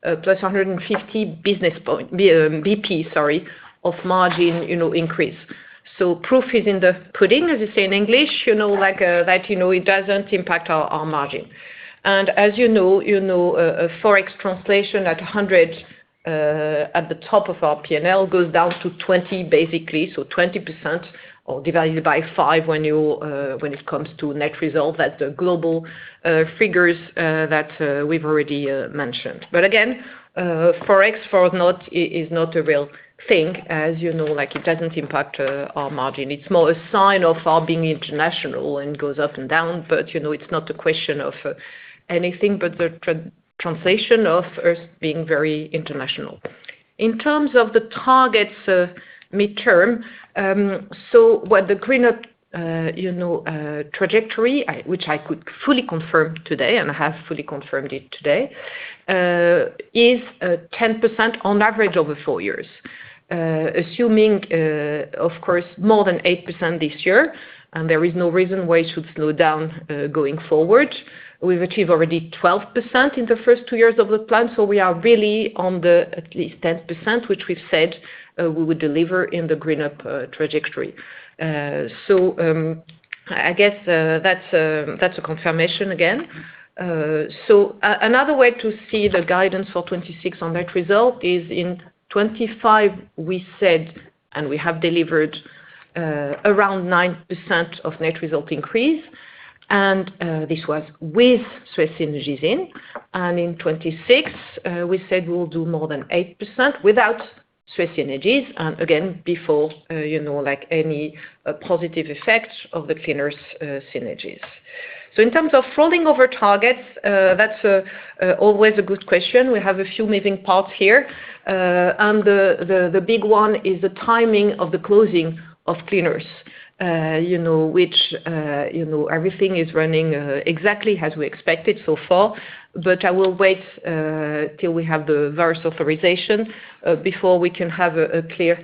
plus 150 BP, sorry, of margin, you know, increase. Proof is in the pudding, as they say in English, you know, like, that, you know, it doesn't impact our margin. As you know, you know, a Forex translation at 100 at the top of our PNL goes down to 20, basically, so 20% or divided by 5 when you when it comes to net result. That's the global figures that we've already mentioned. Again, Forex for us is not a real thing, as you know, like, it doesn't impact our margin. It's more a sign of our being international and goes up and down, but, you know, it's not a question of anything but the translation of us being very international. In terms of the targets midterm, with the GreenUp, you know, trajectory, I, which I could fully confirm today and have fully confirmed it today, is 10% on average over 4 years. Assuming, of course, more than 8% this year, there is no reason why it should slow down going forward. We've achieved already 12% in the first 2 years of the plan, so we are really on the at least 10%, which we've said we would deliver in the GreenUp trajectory. I guess that's a confirmation again. Another way to see the guidance for 2026 on net result is in 2025, we said, and we have delivered around 9% of net result increase, this was with Suez synergies in. In 2026, we said we'll do more than 8% without Suez synergies, and again, before, you know, like any positive effect of the Clean Earth synergies. In terms of rolling over targets, that's always a good question. We have a few moving parts here. The big one is the timing of the closing of Clean Earth. You know, which, you know, everything is running exactly as we expected so far. I will wait till we have the various authorization before we can have a clear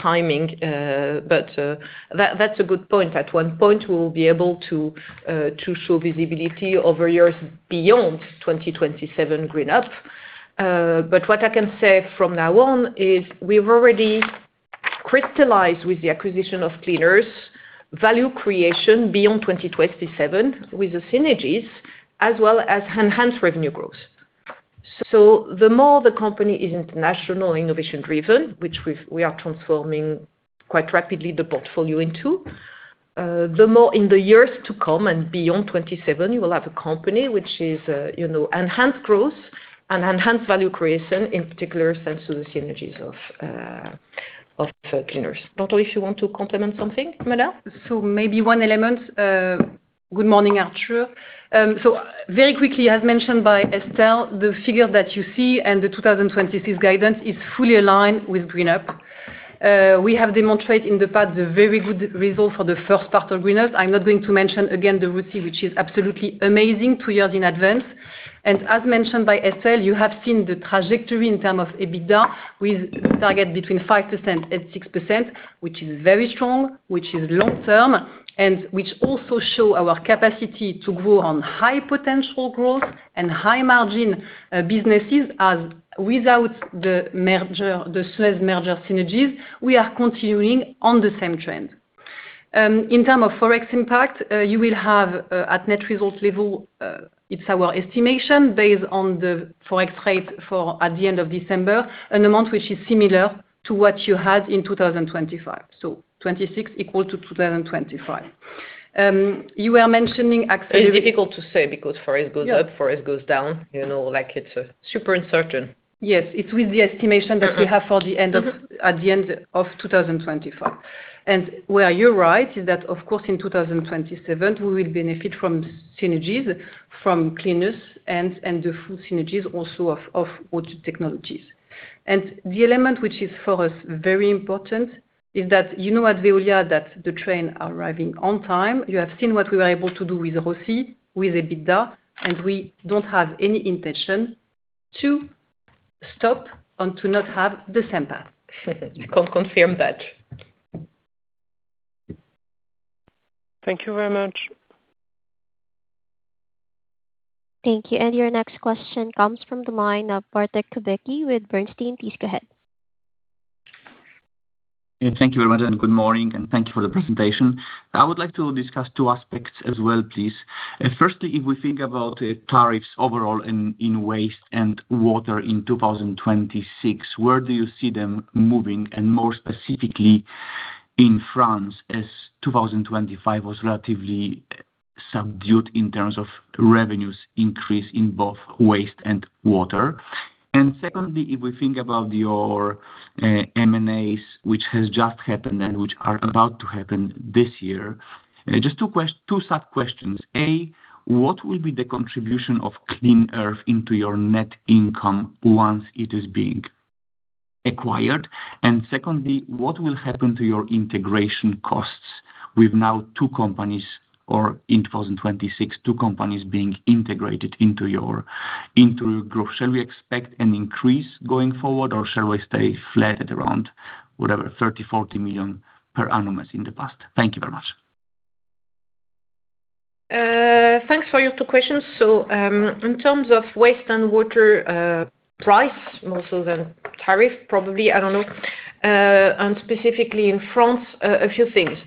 timing. That's a good point. At one point, we will be able to show visibility over years beyond 2027 GreenUp. What I can say from now on, is we've already crystallized with the acquisition of Clean Earth, value creation beyond 2027, with the synergies, as well as enhanced revenue growth. The more the company is international innovation driven, which we are transforming quite rapidly, the portfolio into. The more in the years to come, and beyond 27, you will have a company which is, you know, enhanced growth and enhanced value creation, in particular, thanks to the synergies of Clean Earth. Porto, if you want to complement something, madam? Maybe one element. Good morning, Arthur. Very quickly, as mentioned by Estelle, the figure that you see and the 2026 guidance is fully aligned with GreenUp. We have demonstrated in the past the very good result for the first part of GreenUp. I'm not going to mention again, the route sheet, which is absolutely amazing two years in advance. As mentioned by Estelle, you have seen the trajectory in term of EBITDA, with the target between 5% and 6%, which is very strong, which is long term, and which also show our capacity to grow on high potential growth and high margin businesses. As without the merger, the Suez synergies, we are continuing on the same trend. In term of Forex impact, you will have, at net result level, it's our estimation based on the Forex rate for at the end of December, an amount which is similar to what you had in 2025. 26 equal to 2025. It's difficult to say, because Forex goes up - Yeah Forex goes down, you know, like it's super uncertain. Yes, it's with the estimation that we have for the end of 2025. Where you're right, is that, of course, in 2027, we will benefit from synergies, from Clean Earth and the full synergies also of Water Technologies. The element, which is for us, very important, is that, you know, at Veolia, that the train are arriving on time. You have seen what we were able to do with Rossi, with EBITDA, and we don't have any intention to stop and to not have the same path. We can confirm that. Thank you very much. Thank you. Your next question comes from the line of Bartek Kubicki with Bernstein. Please go ahead. Thank you very much, and good morning, and thank you for the presentation. I would like to discuss two aspects as well, please. Firstly, if we think about tariffs overall in waste and water in 2026, where do you see them moving? More specifically in France, as 2025 was relatively subdued in terms of revenues increase in both waste and water. Secondly, if we think about your M&As, which has just happened and which are about to happen this year. Just two sub-questions. A, what will be the contribution of Clean Earth into your net income once it is being acquired? Secondly, what will happen to your integration costs with now two companies, or in 2026, two companies being integrated into your, into growth? Shall we expect an increase going forward, or shall we stay flat at around whatever, 30 million, 40 million per annum as in the past? Thank you very much. Thanks for your 2 questions. In terms of waste and water, price, more so than tariff, probably, I don't know. Specifically in France, a few things.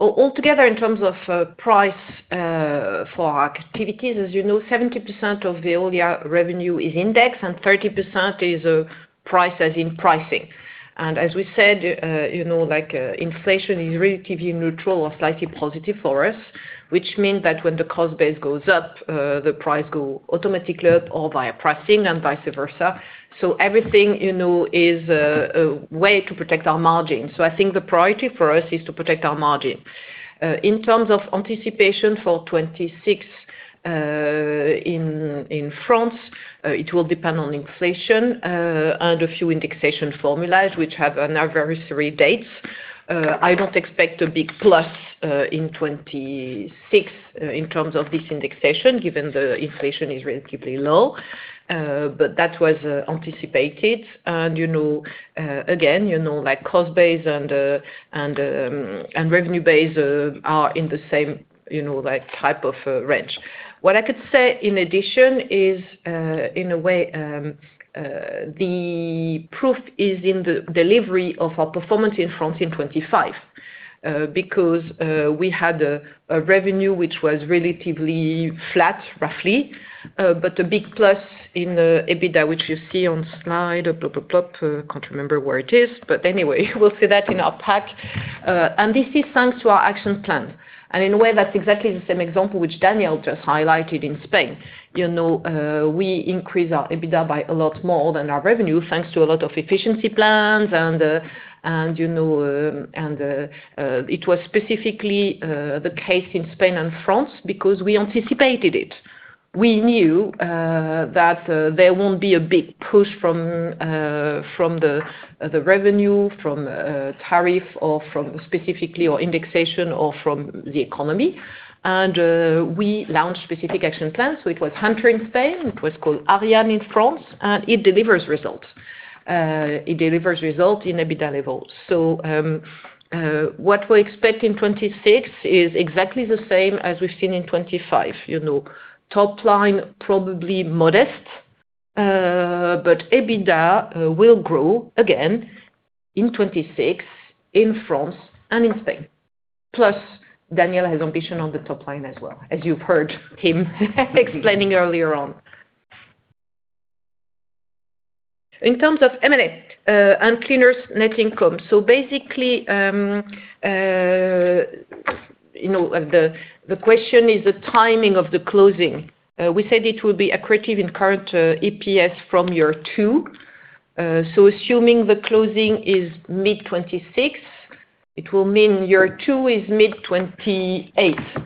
Altogether in terms of price, for our activities, as you know, 70% of Veolia revenue is index and 30% is price as in pricing. As we said, you know, like, inflation is really giving neutral or slightly positive for us, which mean that when the cost base goes up, the price go automatically up or via pricing and vice versa. Everything you know, is a way to protect our margin. I think the priority for us is to protect our margin. In terms of anticipation for 26, in France, it will depend on inflation and a few indexation formulas, which have another very three dates. I don't expect a big plus in 26 in terms of this indexation, given the inflation is relatively low. That was anticipated. You know, again, you know, like, cost base and revenue base are in the same, you know, like, type of range. What I could say in addition is, in a way, the proof is in the delivery of our performance in France in 25. Because we had a revenue which was relatively flat, roughly, but a big plus in the EBITDA, which you see on slide, blop, blop. Can't remember where it is, anyway, we'll see that in our pack. This is thanks to our action plan. In a way, that's exactly the same example which Daniel just highlighted in Spain. You know, we increased our EBITDA by a lot more than our revenue, thanks to a lot of efficiency plans and, you know, it was specifically the case in Spain and France because we anticipated it. We knew that there won't be a big push from the revenue, from tariff or from specifically or indexation or from the economy. We launched specific action plans. It was Hunter in Spain, it was called Arianeo in France, and it delivers results. It delivers results in EBITDA levels. What we expect in 2026 is exactly the same as we've seen in 2025. You know, top line, probably modest, but EBITDA will grow again in 2026, in France and in Spain. Plus, Daniel has ambition on the top line as well, as you've heard him explaining earlier on. In terms of M&A and Clean Earth net income. Basically, you know, the question is the timing of the closing. We said it will be accretive in current EPS from year 2. Assuming the closing is mid-2026, it will mean year 2 is mid-2028.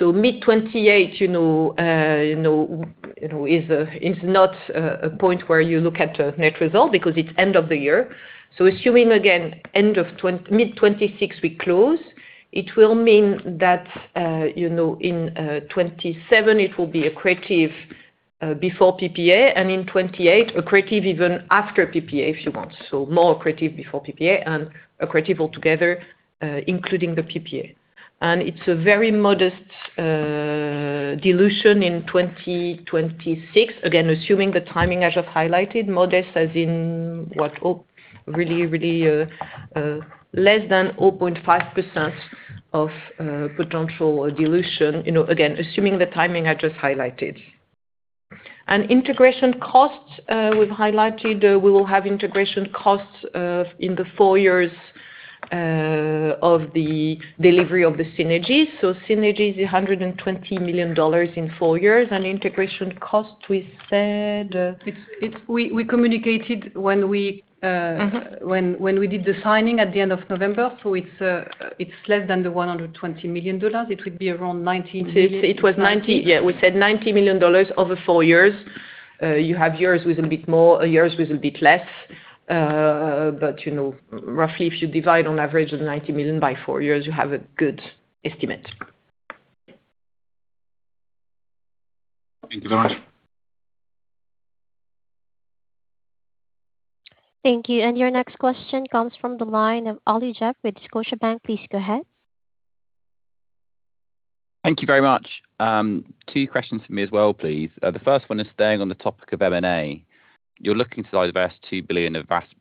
Mid-2028, you know, is not a point where you look at net result because it's end of the year. Assuming again, end of mid-2026, we close, it will mean that, you know, in 2027, it will be accretive before PPA, and in 2028, accretive even after PPA, if you want. More accretive before PPA and accretive altogether, including the PPA. It's a very modest dilution in 2026. Again, assuming the timing, I just highlighted modest as in what? Oh, really, really less than 0.5% of potential dilution. You know, again, assuming the timing I just highlighted. Integration costs, we've highlighted, we will have integration costs in the four years of the delivery of the synergies. Synergies, $120 million in four years, and integration costs, we said. It's we communicated when we. Mm-hmm. When we did the signing at the end of November, it's less than the $120 million. It would be around $90 million. It was 90. Yeah, we said $90 million over four years. You have years with a bit more, years with a bit less. You know, roughly, if you divide on average of $90 million by four years, you have a good estimate. Thank you very much. Thank you. Your next question comes from the line of Olly Jeffery with Scotiabank. Please go ahead. Thank you very much. Two questions for me as well, please. The first one is staying on the topic of M&A. You're looking to divest 2 billion of vast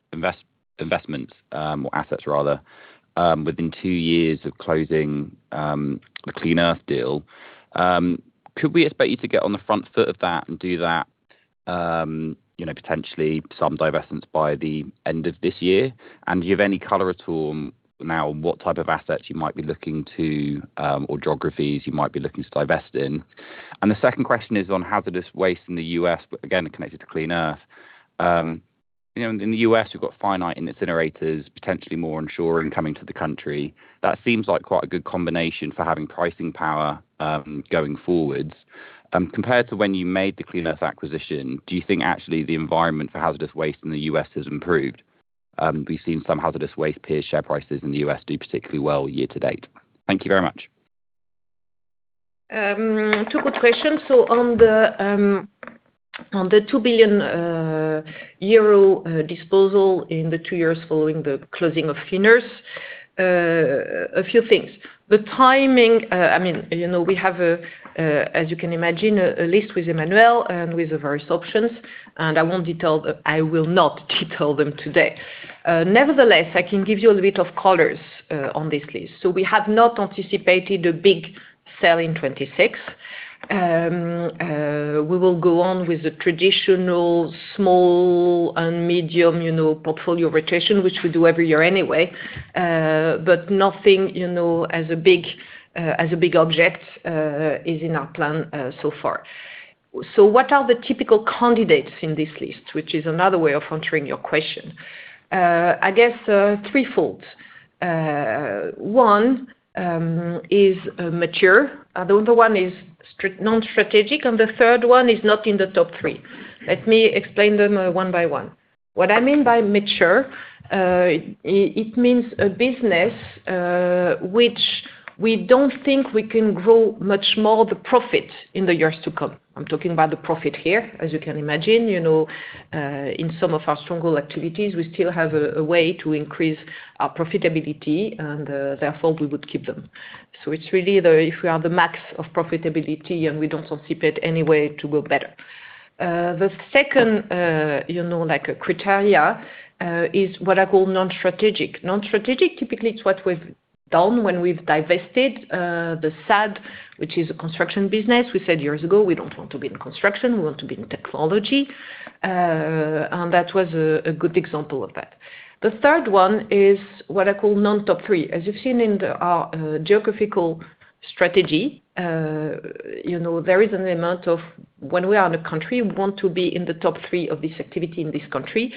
investments, or assets rather, within 2 years of closing the Clean Earth deal. Could we expect you to get on the front foot of that and do that, you know, potentially some divestments by the end of this year? Do you have any color at all now on what type of assets you might be looking to, or geographies you might be looking to divest in? The second question is on hazardous waste in the U.S., but again, connected to Clean Earth. You know, in the U.S., you've got finite incinerators, potentially more incinerators coming to the country. That seems like quite a good combination for having pricing power, going forwards. Compared to when you made the Clean Earth acquisition, do you think actually the environment for hazardous waste in the U.S. has improved? We've seen some hazardous waste peer share prices in the U.S. do particularly well year to date. Thank you very much. Two good questions. On the 2 billion euro disposal in the two years following the closing of Clean Earth, a few things. The timing, I mean, you know, we have, as you can imagine, a list with Emmanuel and with the various options, and I will not detail them today. Nevertheless, I can give you a little bit of colors on this list. We have not anticipated a big sale in 2026. We will go on with the traditional small and medium, you know, portfolio rotation, which we do every year anyway. But nothing, you know, as a big, as a big object, is in our plan so far. What are the typical candidates in this list? Which is another way of answering your question. I guess, threefold. One is mature. The other one is strict, non-strategic, and the third one is not in the top three. Let me explain them one by one. What I mean by mature, it means a business which we don't think we can grow much more the profit in the years to come. I'm talking about the profit here, as you can imagine, you know, in some of our stronger activities, we still have a way to increase our profitability, and therefore, we would keep them. It's really the, if we are the max of profitability, and we don't anticipate any way to go better. The second, you know, like a criteria, is what I call non-strategic. Non-strategic, typically, it's what we've done when we've divested the SAD, which is a construction business. We said years ago, we don't want to be in construction, we want to be in technology. That was a good example of that. The third one is what I call non-top three. As you've seen in the geographical strategy, you know, there is an amount of when we are in a country, we want to be in the top three of this activity in this country.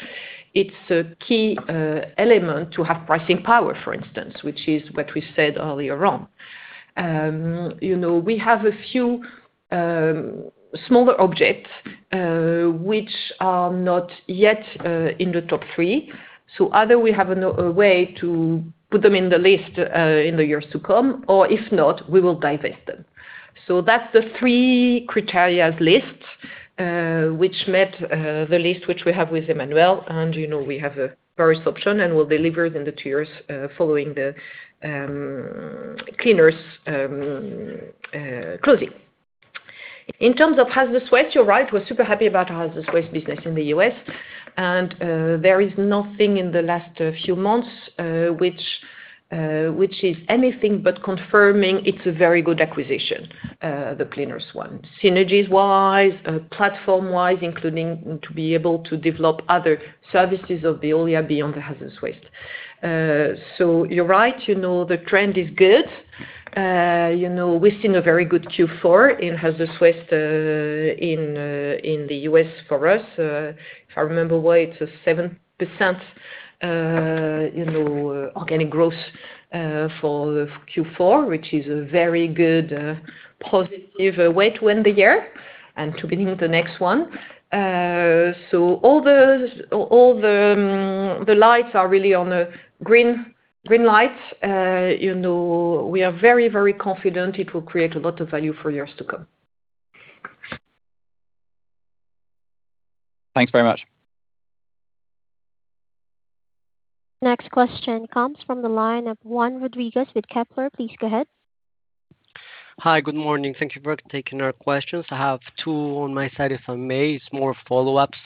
It's a key element to have pricing power, for instance, which is what we said earlier on. You know, we have a few smaller objects, which are not yet in the top three. Either we have a way to put them in the list in the years to come, or if not, we will divest them. That's the three criterias list which met the list which we have with Emmanuelle, and, you know, we have a various option, and we'll deliver them the tiers following the cleaners closing. In terms of hazardous waste, you're right, we're super happy about our hazardous waste business in the U.S., and there is nothing in the last few months which is anything but confirming it's a very good acquisition, the cleaners one. Synergies-wise, platform-wise, including to be able to develop other services of Veolia beyond the hazardous waste. You know, the trend is good. You know, we're seeing a very good Q4 in hazardous waste in the U.S. for us. If I remember well, it's a 7%, you know, organic growth for the Q4, which is a very good positive way to end the year and to begin the next one. All the lights are really on green lights. You know, we are very, very confident it will create a lot of value for years to come. Thanks very much. Next question comes from the line of Juan Rodriguez with Kepler. Please go ahead. Hi, good morning. Thank you for taking our questions. I have two on my side, if I may. It's more follow-ups.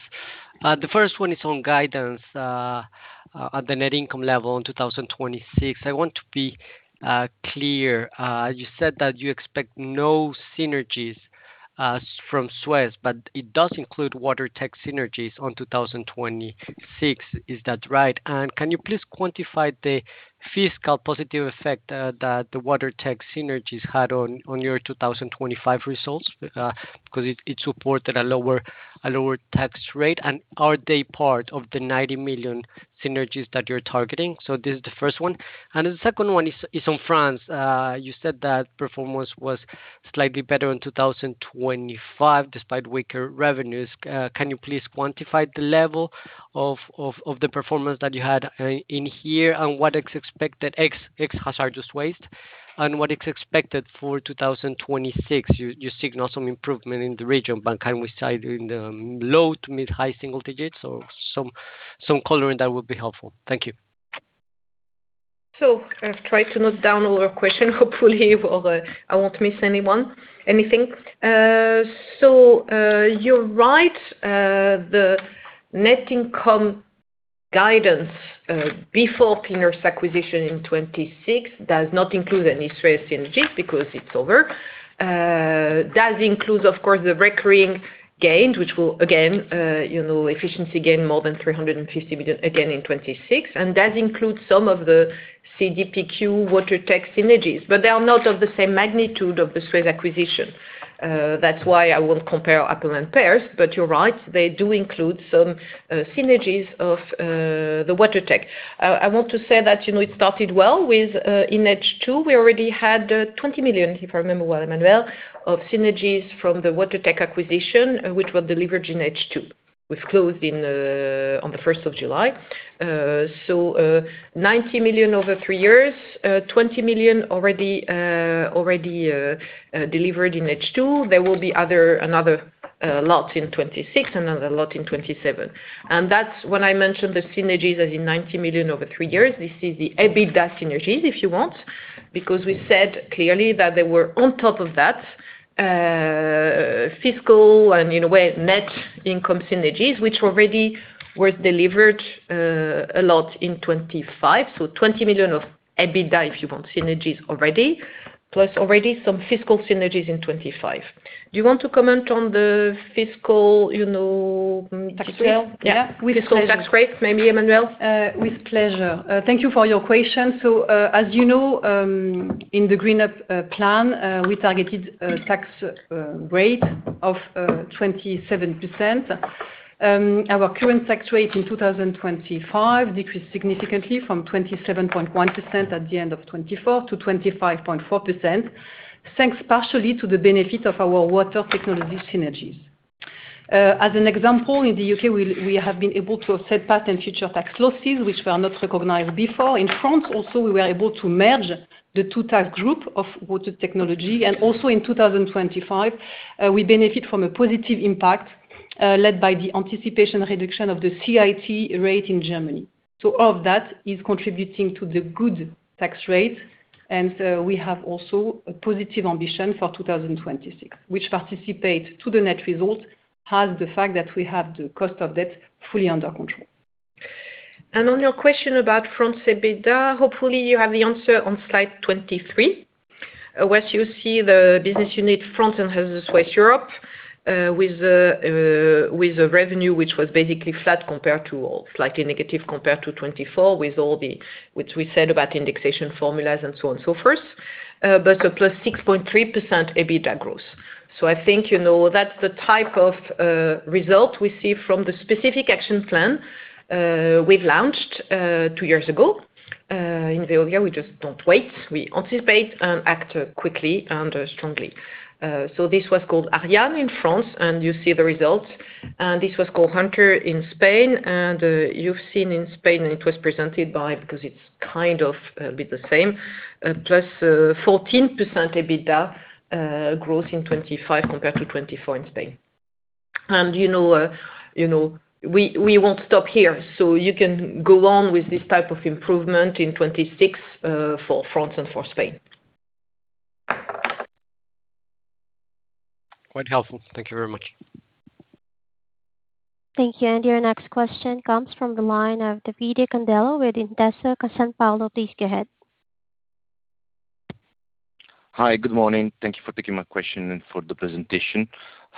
The first one is on guidance, at the net income level in 2026. I want to be clear. You said that you expect no synergies from Suez, but it does include Water Tech synergies on 2026. Is that right? Can you please quantify the fiscal positive effect that the Water Tech synergies had on your 2025 results? Because it supported a lower tax rate. Are they part of the 90 million synergies that you're targeting? This is the first one. The second one is on France. You said that performance was slightly better in 2025, despite weaker revenues. Can you please quantify the level of the performance that you had in here and what is expected ex hazardous waste, and what is expected for 2026? You signaled some improvement in the region, but can we say in the low to mid-high single digits or some coloring that would be helpful? Thank you. I've tried to note down all your questions, hopefully, or I won't miss anyone, anything. You're right, the net income guidance before cleaners acquisition in 2026 does not include any Suez synergies because it's over. That includes, of course, the recurring gains, which will again, you know, efficiency gain more than 350 million again in 2026, and that includes some of the CDPQ Water Tech synergies, but they are not of the same magnitude of the Suez acquisition. I want to say that, you know, it started well with, in H2, we already had 20 million, if I remember well, Emmanuelle, of synergies from the Water Tech acquisition, which was delivered in H2. We've closed in on the first of July. 90 million over 3 years, 20 million already delivered in H2. There will be another lot in 2026, another lot in 2027. That's when I mentioned the synergies as in 90 million over 3 years. This is the EBITDA synergies, if you want, because we said clearly that they were on top of that fiscal and in a way, net income synergies, which already were delivered a lot in 2025. 20 million of EBITDA, if you want, synergies already, plus already some fiscal synergies in 2025. Do you want to comment on the fiscal, you know. Tax rate? Yeah. With pleasure. Tax rate, maybe, Emmanuelle? With pleasure. Thank you for your question. As you know, in the GreenUp plan, we targeted a tax rate of 27%. Our current tax rate in 2025 decreased significantly from 27.1% at the end of 2024 to 25.4%, thanks partially to the benefit of our water technology synergies. As an example, in the U.K., we have been able to offset past and future tax losses, which were not recognized before. In France also, we were able to merge the two tax group of water technology. Also in 2025, we benefit from a positive impact, led by the anticipation reduction of the CIT rate in Germany. All of that is contributing to the good tax rate. We have also a positive ambition for 2026, which participate to the net result, has the fact that we have the cost of debt fully under control. On your question about France EBITDA, hopefully, you have the answer on slide 23. Where you see the business unit France and West Europe, with the revenue, which was basically flat compared to, slightly negative, compared to 2024, which we said about indexation, formulas and so on and so forth. But a +6.3% EBITDA growth. I think, you know, that's the type of result we see from the specific action plan we've launched 2 years ago. In Veolia, we just don't wait. We anticipate and act quickly and strongly. This was called Arianeo in France, and you see the results. This was called Hunter in Spain, and you've seen in Spain, and it was presented by, because it's kind of a bit the same, plus 14% EBITDA growth in 2025 compared to 2024 in Spain. You know, we won't stop here, so you can go on with this type of improvement in 2026 for France and for Spain. Quite helpful. Thank you very much. Thank you. Your next question comes from the line of Davide Candela with Intesa Sanpaolo. Please go ahead. Hi, good morning. Thank you for taking my question and for the presentation.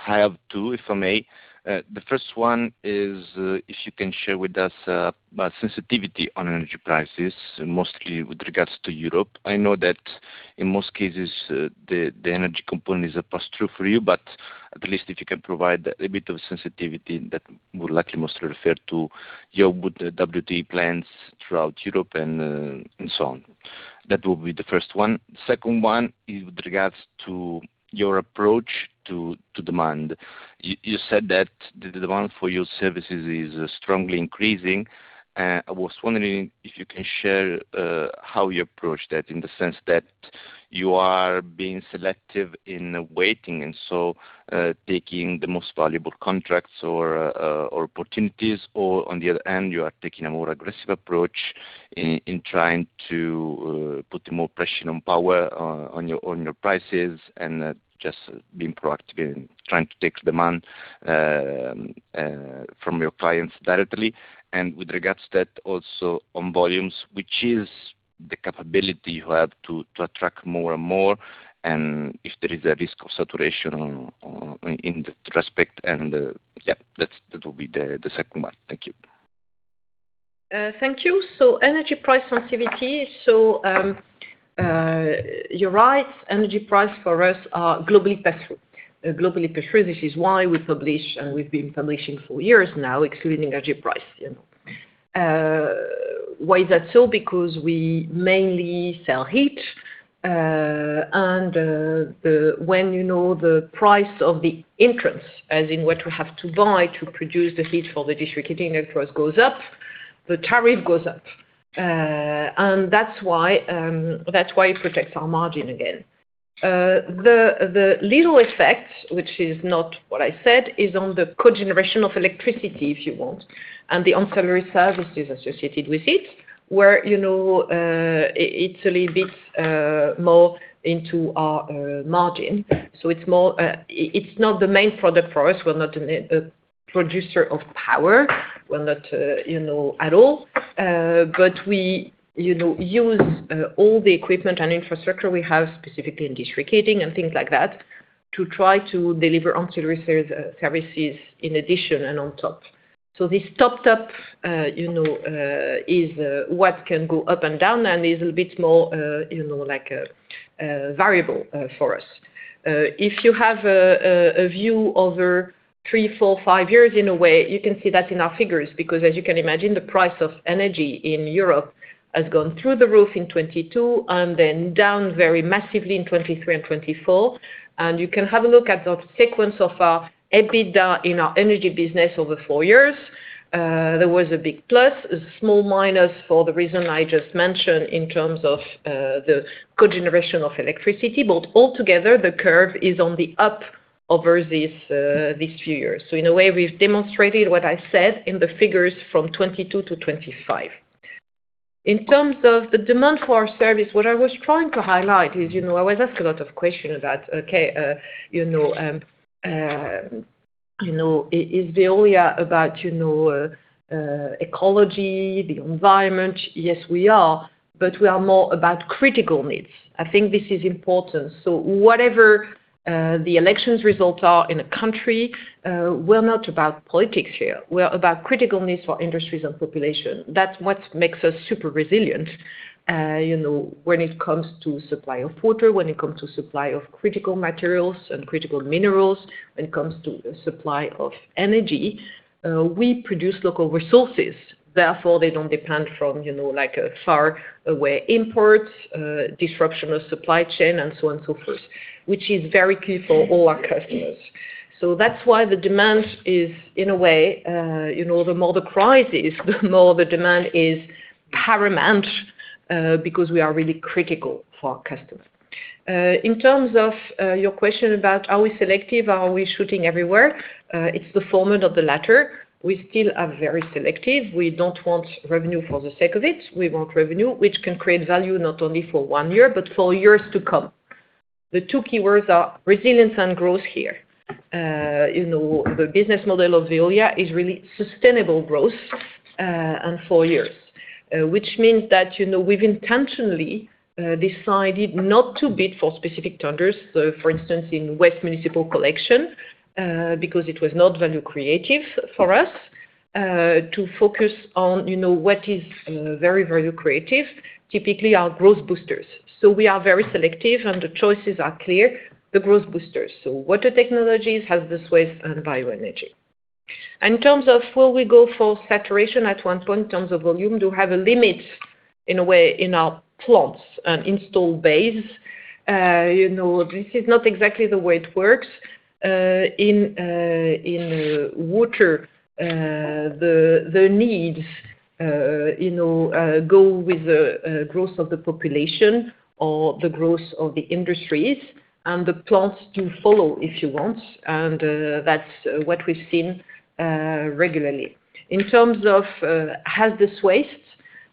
I have two, if I may. The first one is, if you can share with us about sensitivity on energy prices, mostly with regards to Europe. I know that in most cases, the energy component is a pass-through for you, but at least if you can provide a bit of sensitivity, that would likely mostly refer to your WtE plans throughout Europe and so on. That will be the first one. Second one is with regards to your approach to demand. You said that the demand for your services is strongly increasing. I was wondering if you can share how you approach that, in the sense that you are being selective in waiting, so taking the most valuable contracts or opportunities, or on the other hand, you are taking a more aggressive approach in trying to put more pressure on power, on your prices, and just being proactive in trying to take demand from your clients directly? With regards to that, also on volumes, which is the capability you have to attract more and more, and if there is a risk of saturation in this respect, and yeah, that's, that will be the second one? Thank you. Thank you. Energy price sensitivity. You're right, energy price for us are globally pass-through, globally pass-through. This is why we publish, and we've been publishing for years now, including energy price, you know. Why is that so? Because we mainly sell heat, and when, you know, the price of the entrance, as in what we have to buy to produce the heat for the district heating network goes up, the tariff goes up. That's why, that's why it protects our margin again. The little effect, which is not what I said, is on the cogeneration of electricity, if you want, and the ancillary services associated with it, where, you know, it's a little bit more into our margin. It's more, it's not the main product for us. We're not a producer of power. We're not, you know, at all, but we, you know, use all the equipment and infrastructure we have, specifically in district heating and things like that, to try to deliver ancillary services in addition and on top. This topped up, you know, is what can go up and down and is a bit more, you know, like a variable for us. If you have a view over three, four, five years, in a way, you can see that in our figures, because as you can imagine, the price of energy in Europe has gone through the roof in 2022 and then down very massively in 2023 and 2024. You can have a look at the sequence of our EBITDA in our energy business over four years. There was a big plus, a small minus for the reason I just mentioned in terms of the cogeneration of electricity, but altogether, the curve is on the up over this, these few years. In a way, we've demonstrated what I said in the figures from 22 to 25. In terms of the demand for our service, what I was trying to highlight is, you know, I was asked a lot of questions about, okay, you know, you know, is Veolia about, you know, ecology, the environment? Yes, we are, but we are more about critical needs. I think this is important. Whatever the elections results are in a country, we're not about politics here. We're about critical needs for industries and population. That's what makes us super resilient. you know, when it comes to supply of water, when it comes to supply of critical materials and critical minerals, when it comes to the supply of energy, we produce local resources, therefore, they don't depend from, you know, like a far away import, disruption of supply chain, and so on and so forth, which is very key for all our customers. That's why the demand is in a way, you know, the more the crisis, the more the demand is paramount, because we are really critical for our customers. In terms of your question about, are we selective? Are we shooting everywhere? It's the former of the latter. We still are very selective. We don't want revenue for the sake of it. We want revenue, which can create value not only for one year, but for years to come. The two keywords are resilience and growth here. You know, the business model of Veolia is really sustainable growth, and for years. Which means that, you know, we've intentionally decided not to bid for specific tenders. For instance, in West municipal collection, because it was not value creative for us, to focus on, you know, what is very, very creative, typically our growth boosters. We are very selective, and the choices are clear, the growth boosters. Water Technologies, hazardous waste, and bioenergy. In terms of where we go for saturation at one point, in terms of volume, do have a limit, in a way, in our plants and install base. You know, this is not exactly the way it works. In water, the need, you know, go with the growth of the population or the growth of the industries and the plants to follow, if you want. That's what we've seen regularly. In terms of hazardous waste,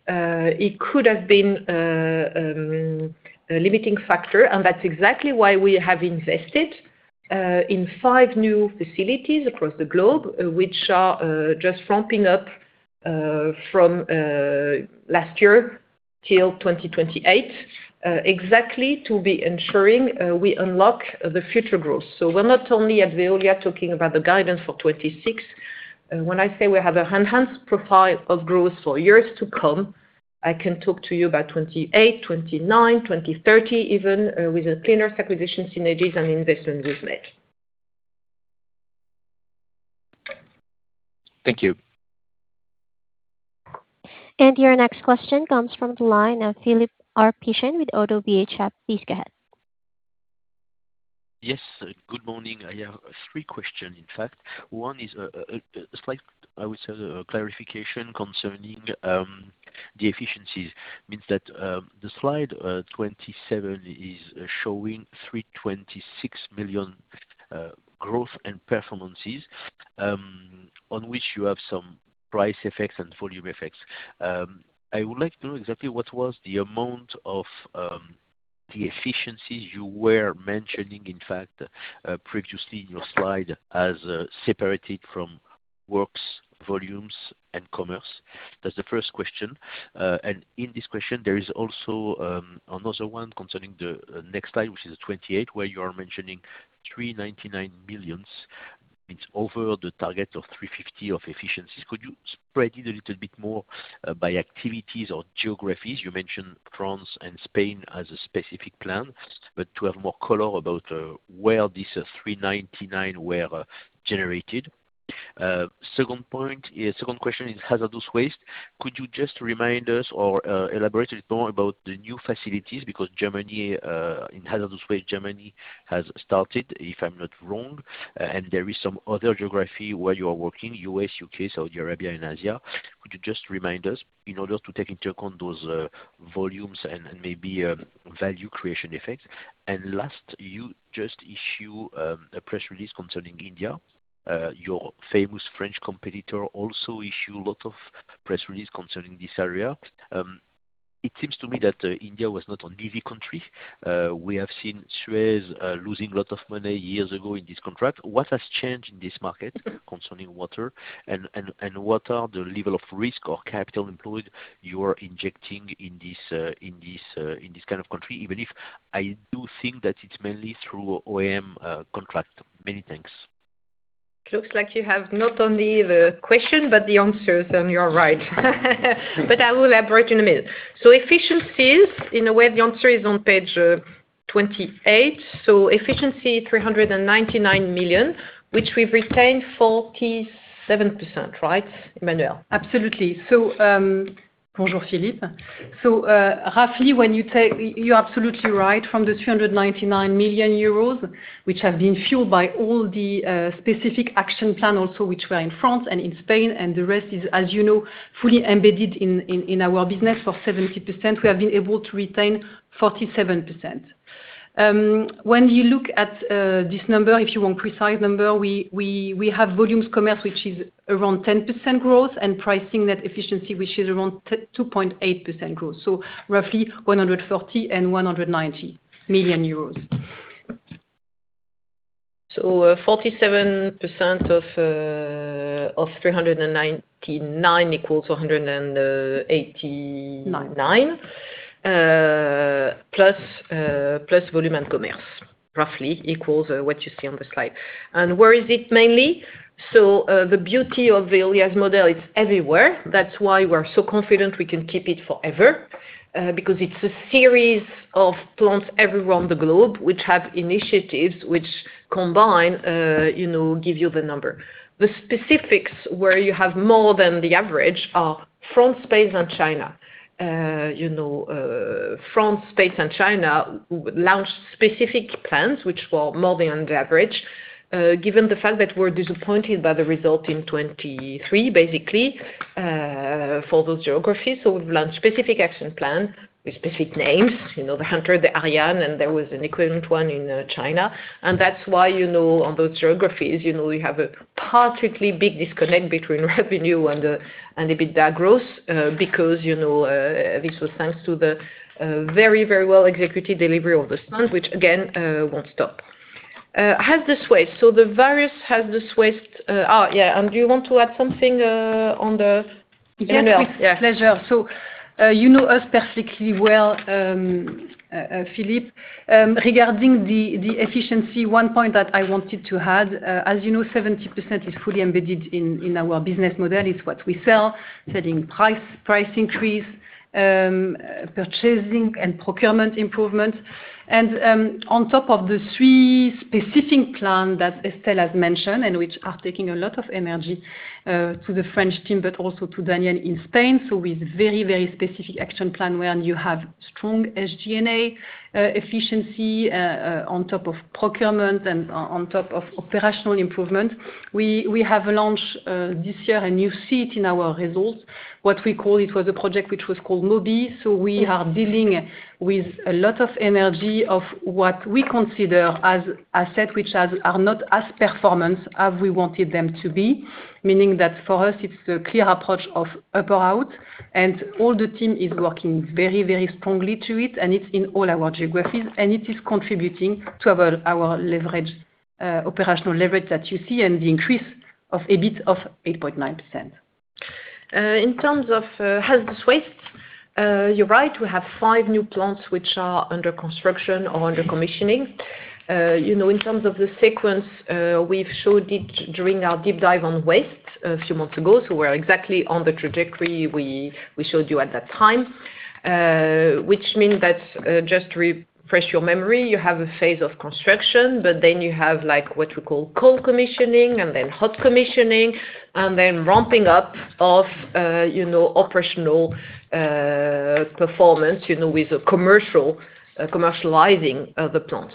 it could have been a limiting factor, and that's exactly why we have invested in 5 new facilities across the globe, which are just ramping up from last year till 2028. Exactly to be ensuring we unlock the future growth. We're not only at Veolia talking about the guidance for 26. When I say we have an enhanced profile of growth for years to come, I can talk to you about 28, 29, 2030 even, with a cleaner acquisition synergies and investments we've made. Thank you. Your next question comes from the line of Philippe Ourpatian with Oddo BHF. Please go ahead. Yes, good morning. I have 3 questions, in fact. One is a slight, I would say, clarification concerning the efficiencies. Means that the slide 27 is showing 326 million growth and performances on which you have some price effects and volume effects. I would like to know exactly what was the amount of the efficiencies you were mentioning, in fact, previously in your slide, as separated from works, volumes, and commerce. That's the 1st question. In this question, there is also another one concerning the next slide, which is 28, where you are mentioning 399 million. It's over the target of 350 of efficiencies. Could you spread it a little bit more by activities or geographies? You mentioned France and Spain as a specific plan, to have more color about where this 399 were generated. Second question is hazardous waste. Could you just remind us or elaborate a little more about the new facilities, because Germany, in hazardous waste, Germany has started, if I'm not wrong, and there is some other geography where you are working, U.S., U.K., Saudi Arabia, and Asia. Could you just remind us in order to take into account those volumes and maybe value creation effects? Last, you just issue a press release concerning India. Your famous French competitor also issue a lot of press release concerning this area. It seems to me that India was not an easy country. We have seen Suez losing a lot of money years ago in this contract. What has changed in this market concerning water? What are the level of risk or capital employed you are injecting in this in this kind of country? Even if I do think that it's mainly through OEM contract. Many thanks. Looks like you have not only the question, but the answers, and you are right. I will elaborate in a minute. Efficiencies, in a way, the answer is on page 28. Efficiency, 399 million, which we've retained 47%, right? Emmanuelle. Absolutely. Bonjour, Philippe. Roughly, when you take... You're absolutely right, from the 299 million euros, which have been fueled by all the specific action plan, also, which were in France and in Spain, and the rest is, as you know, fully embedded in, in our business. For 70%, we have been able to retain 47%. When you look at this number, if you want precise number, we have volumes commerce, which is around 10% growth, and pricing that efficiency, which is around 2.8% growth, so roughly 140 million and 190 million euros. 47% of 399 equals 189. Plus volume and commerce, roughly equals what you see on the slide. Where is it mainly? The beauty of Veolia's model, it's everywhere. That's why we're so confident we can keep it forever, because it's a series of plants everywhere on the globe, which have initiatives which combine, you know, give you the number. The specifics where you have more than the average, are France, Spain, and China. You know, France, Spain, and China, launched specific plans which were more than the average, given the fact that we're disappointed by the result in 2023, basically, for those geographies. We've launched specific action plan, with specific names, you know, the Hunter, the Arianeo, and there was an equivalent one in China. That's why, you know, on those geographies, you know, we have a particularly big disconnect between revenue and the, and EBITDA growth, because, you know, this was thanks to the very, very well-executed delivery of the sun, which again, won't stop. How's this waste? The various hazardous waste, yeah, do you want to add something on the? Yeah, with pleasure. You know us perfectly well, Philippe. Regarding the efficiency, one point that I wanted to add, as you know, 70% is fully embedded in our business model, is what we sell: selling price increase, purchasing and procurement improvements. On top of the three specific plan that Estelle has mentioned, and which are taking a lot of energy to the French team, but also to Daniel in Spain. With very, very specific action plan, where you have strong SG&A efficiency on top of procurement and on top of operational improvement. We have launched this year, a new seat in our results. What we call it was a project which was called Mobi'Cash. We are dealing with a lot of energy of what we consider as asset, which are not as performant as we wanted them to be. Meaning that for us, it's a clear approach of upper out, and all the team is working very, very strongly to it, and it's in all our geographies, and it is contributing to our leverage, operational leverage that you see and the increase of EBIT of 8.9%. Uh, in terms of, uh, hazardous waste, uh, you're right, we have five new plants, which are under construction or under commissioning. Uh, you know, in terms of the sequence, uh, we've showed it during our deep dive on waste a few months ago, so we're exactly on the trajectory we, we showed you at that time. Uh, which means that, uh, just to refresh your memory, you have a phase of construction, but then you have like, what we call cold commissioning, and then hot commissioning, and then ramping up of, uh, you know, operational, uh, performance, you know, with a commercial, uh, commercializing of the plant. Uh,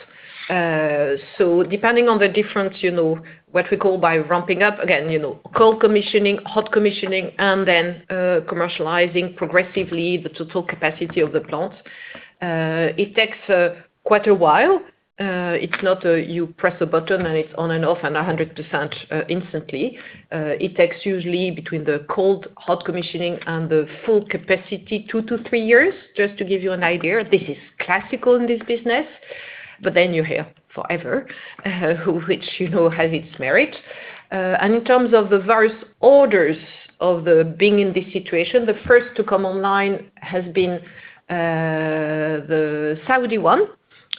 so depending on the different, you know, what we call by ramping up, again, you know, cold commissioning, hot commissioning, and then, uh, commercializing progressively the total capacity of the plant, uh, it takes, uh, quite a while. It's not, you press a button, and it's on and off and 100% instantly. It takes usually between the cold, hot commissioning and the full capacity, 2-3 years, just to give you an idea. This is classical in this business, you're here forever, which, you know, has its merit. In terms of the various orders of the being in this situation, the first to come online has been the Saudi one,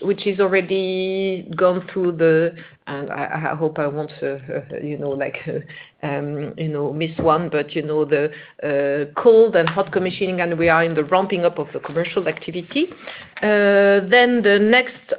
which is already gone through the. I hope I won't, you know, like, you know, miss one, but you know, the cold and hot commissioning, and we are in the ramping up of the commercial activity. The next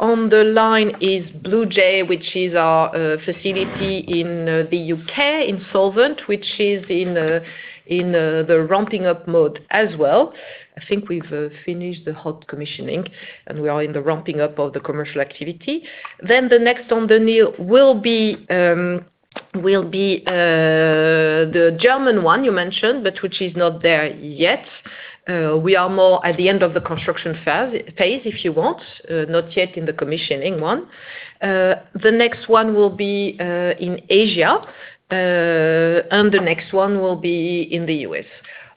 on the line is Blue J, which is our facility in the UK, in Garston, which is in the ramping up mode as well. I think we've finished the hot commissioning, and we are in the ramping up of the commercial activity. The next on the near will be will be the German one you mentioned, but which is not there yet. We are more at the end of the construction phase, if you want, not yet in the commissioning one. The next one will be in Asia, and the next one will be in the US.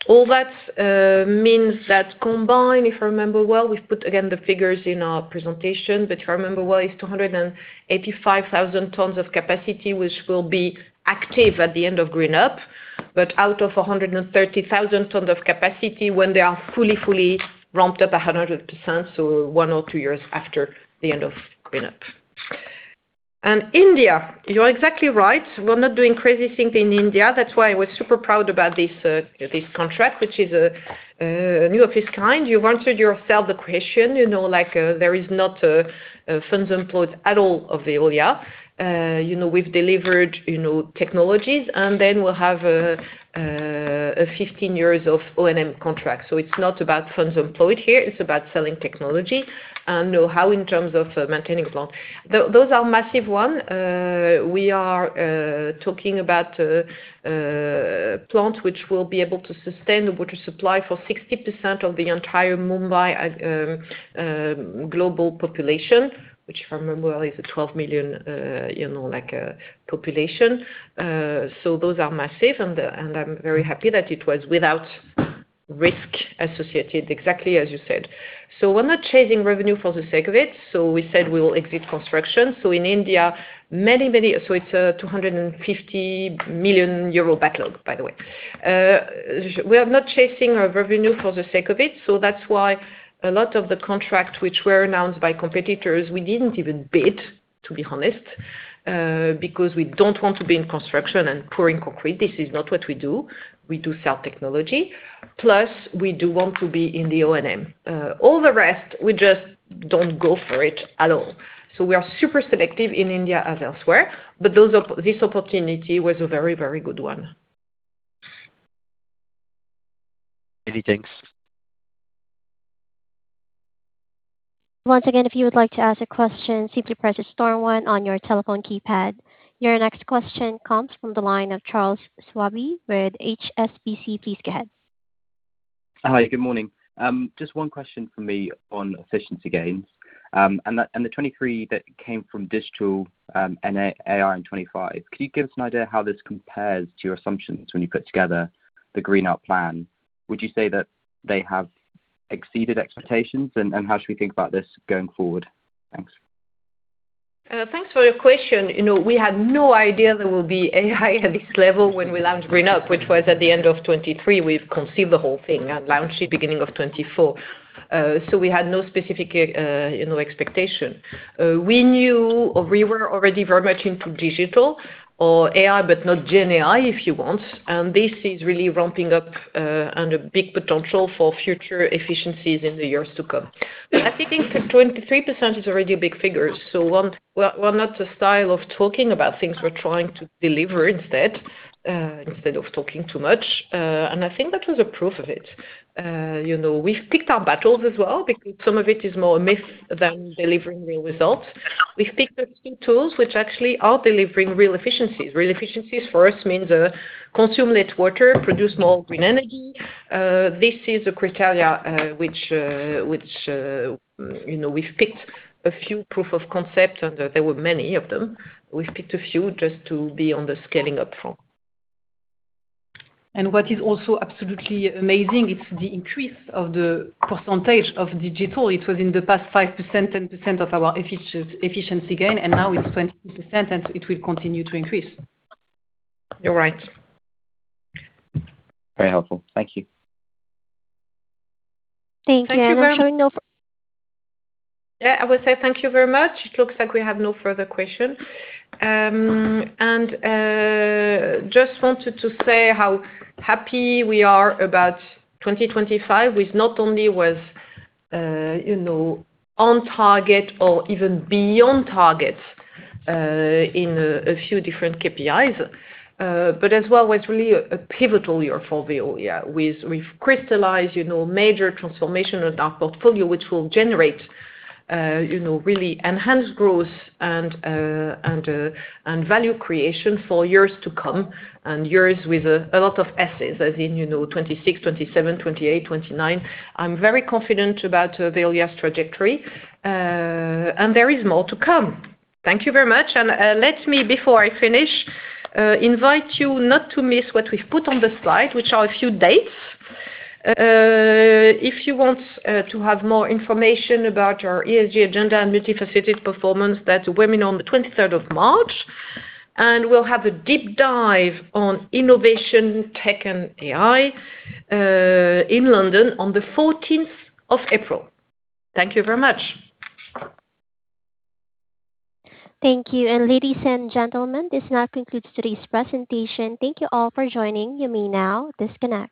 All that means that combined, if I remember well, we've put again the figures in our presentation, but if I remember well, it's 285,000 tons of capacity, which will be active at the end of GreenUp, but out of 130,000 tons of capacity when they are fully ramped up 100%, so 1 or 2 years after the end of GreenUp. India, you're exactly right. We're not doing crazy things in India. That's why I was super proud about this contract, which is a new of its kind. You answered yourself the question, you know, like, there is not funds employed at all of Veolia. You know, we've delivered, you know, technologies, and then we'll have a 15 years of O&M contract. It's not about funds employed here, it's about selling technology, and know-how in terms of maintaining plant. Those are massive one. We are talking about plant, which will be able to sustain the water supply for 60% of the entire Mumbai global population, which, if I remember well, is a 12 million, you know, like, population. Those are massive, and I'm very happy that it was without risk associated, exactly as you said. We're not chasing revenue for the sake of it, we said we will exit construction. In India, many... It's a 250 million euro backlog, by the way. We are not chasing our revenue for the sake of it, that's why a lot of the contracts which were announced by competitors, we didn't even bid. To be honest, because we don't want to be in construction and pouring concrete. This is not what we do. We do sell technology, plus we do want to be in the O&M. All the rest, we just don't go for it at all. We are super selective in India as elsewhere, but this opportunity was a very, very good one. Many thanks. Once again, if you would like to ask a question, simply press star one on your telephone keypad. Your next question comes from the line of Charles Swabey with HSBC. Please go ahead. Hi, good morning. Just 1 question from me on efficiency gains, and the 23 that came from digital and AI in 25. Can you give us an idea how this compares to your assumptions when you put together the GreenUp plan? Would you say that they have exceeded expectations, and how should we think about this going forward? Thanks. Thanks for your question. You know, we had no idea there will be AI at this level when we launched GreenUp, which was at the end of 2023. We've conceived the whole thing and launched the beginning of 2024. We had no specific, you know, expectation. We knew we were already very much into digital or AI, but not Gen AI, if you want. This is really ramping up and a big potential for future efficiencies in the years to come. I think 23% is already a big figure, so one, we're not the style of talking about things. We're trying to deliver instead of talking too much. I think that was a proof of it. You know, we've picked our battles as well because some of it is more a myth than delivering real results. We've picked a few tools which actually are delivering real efficiencies. Real efficiencies for us means, consume less water, produce more green energy. This is a criteria, which, you know, we've picked a few proof of concepts, and there were many of them. We've picked a few just to be on the scaling up front. What is also absolutely amazing is the increase of the percentage of digital. It was in the past 5%, 10% of our efficiency gain, and now it's 20%, and it will continue to increase. You're right. Very helpful. Thank you. Thank you. Thank you very much. Yeah, I would say thank you very much. It looks like we have no further questions. Just wanted to say how happy we are about 2025, which not only was, you know, on target or even beyond target, in a few different KPIs, but as well was really a pivotal year for Veolia. We've crystallized, you know, major transformation of our portfolio, which will generate, you know, really enhanced growth and value creation for years to come and years with a lot of S's, as in, you know, 26, 27, 28, 29. I'm very confident about Veolia's trajectory, there is more to come. Thank you very much. Let me, before I finish, invite you not to miss what we've put on the slide, which are a few dates. If you want to have more information about our ESG agenda and multifaceted performance, that's a webinar on the 23rd of March, and we'll have a deep dive on innovation, tech, and AI in London on the 14th of April. Thank you very much. Thank you. Ladies and gentlemen, this now concludes today's presentation. Thank you all for joining. You may now disconnect.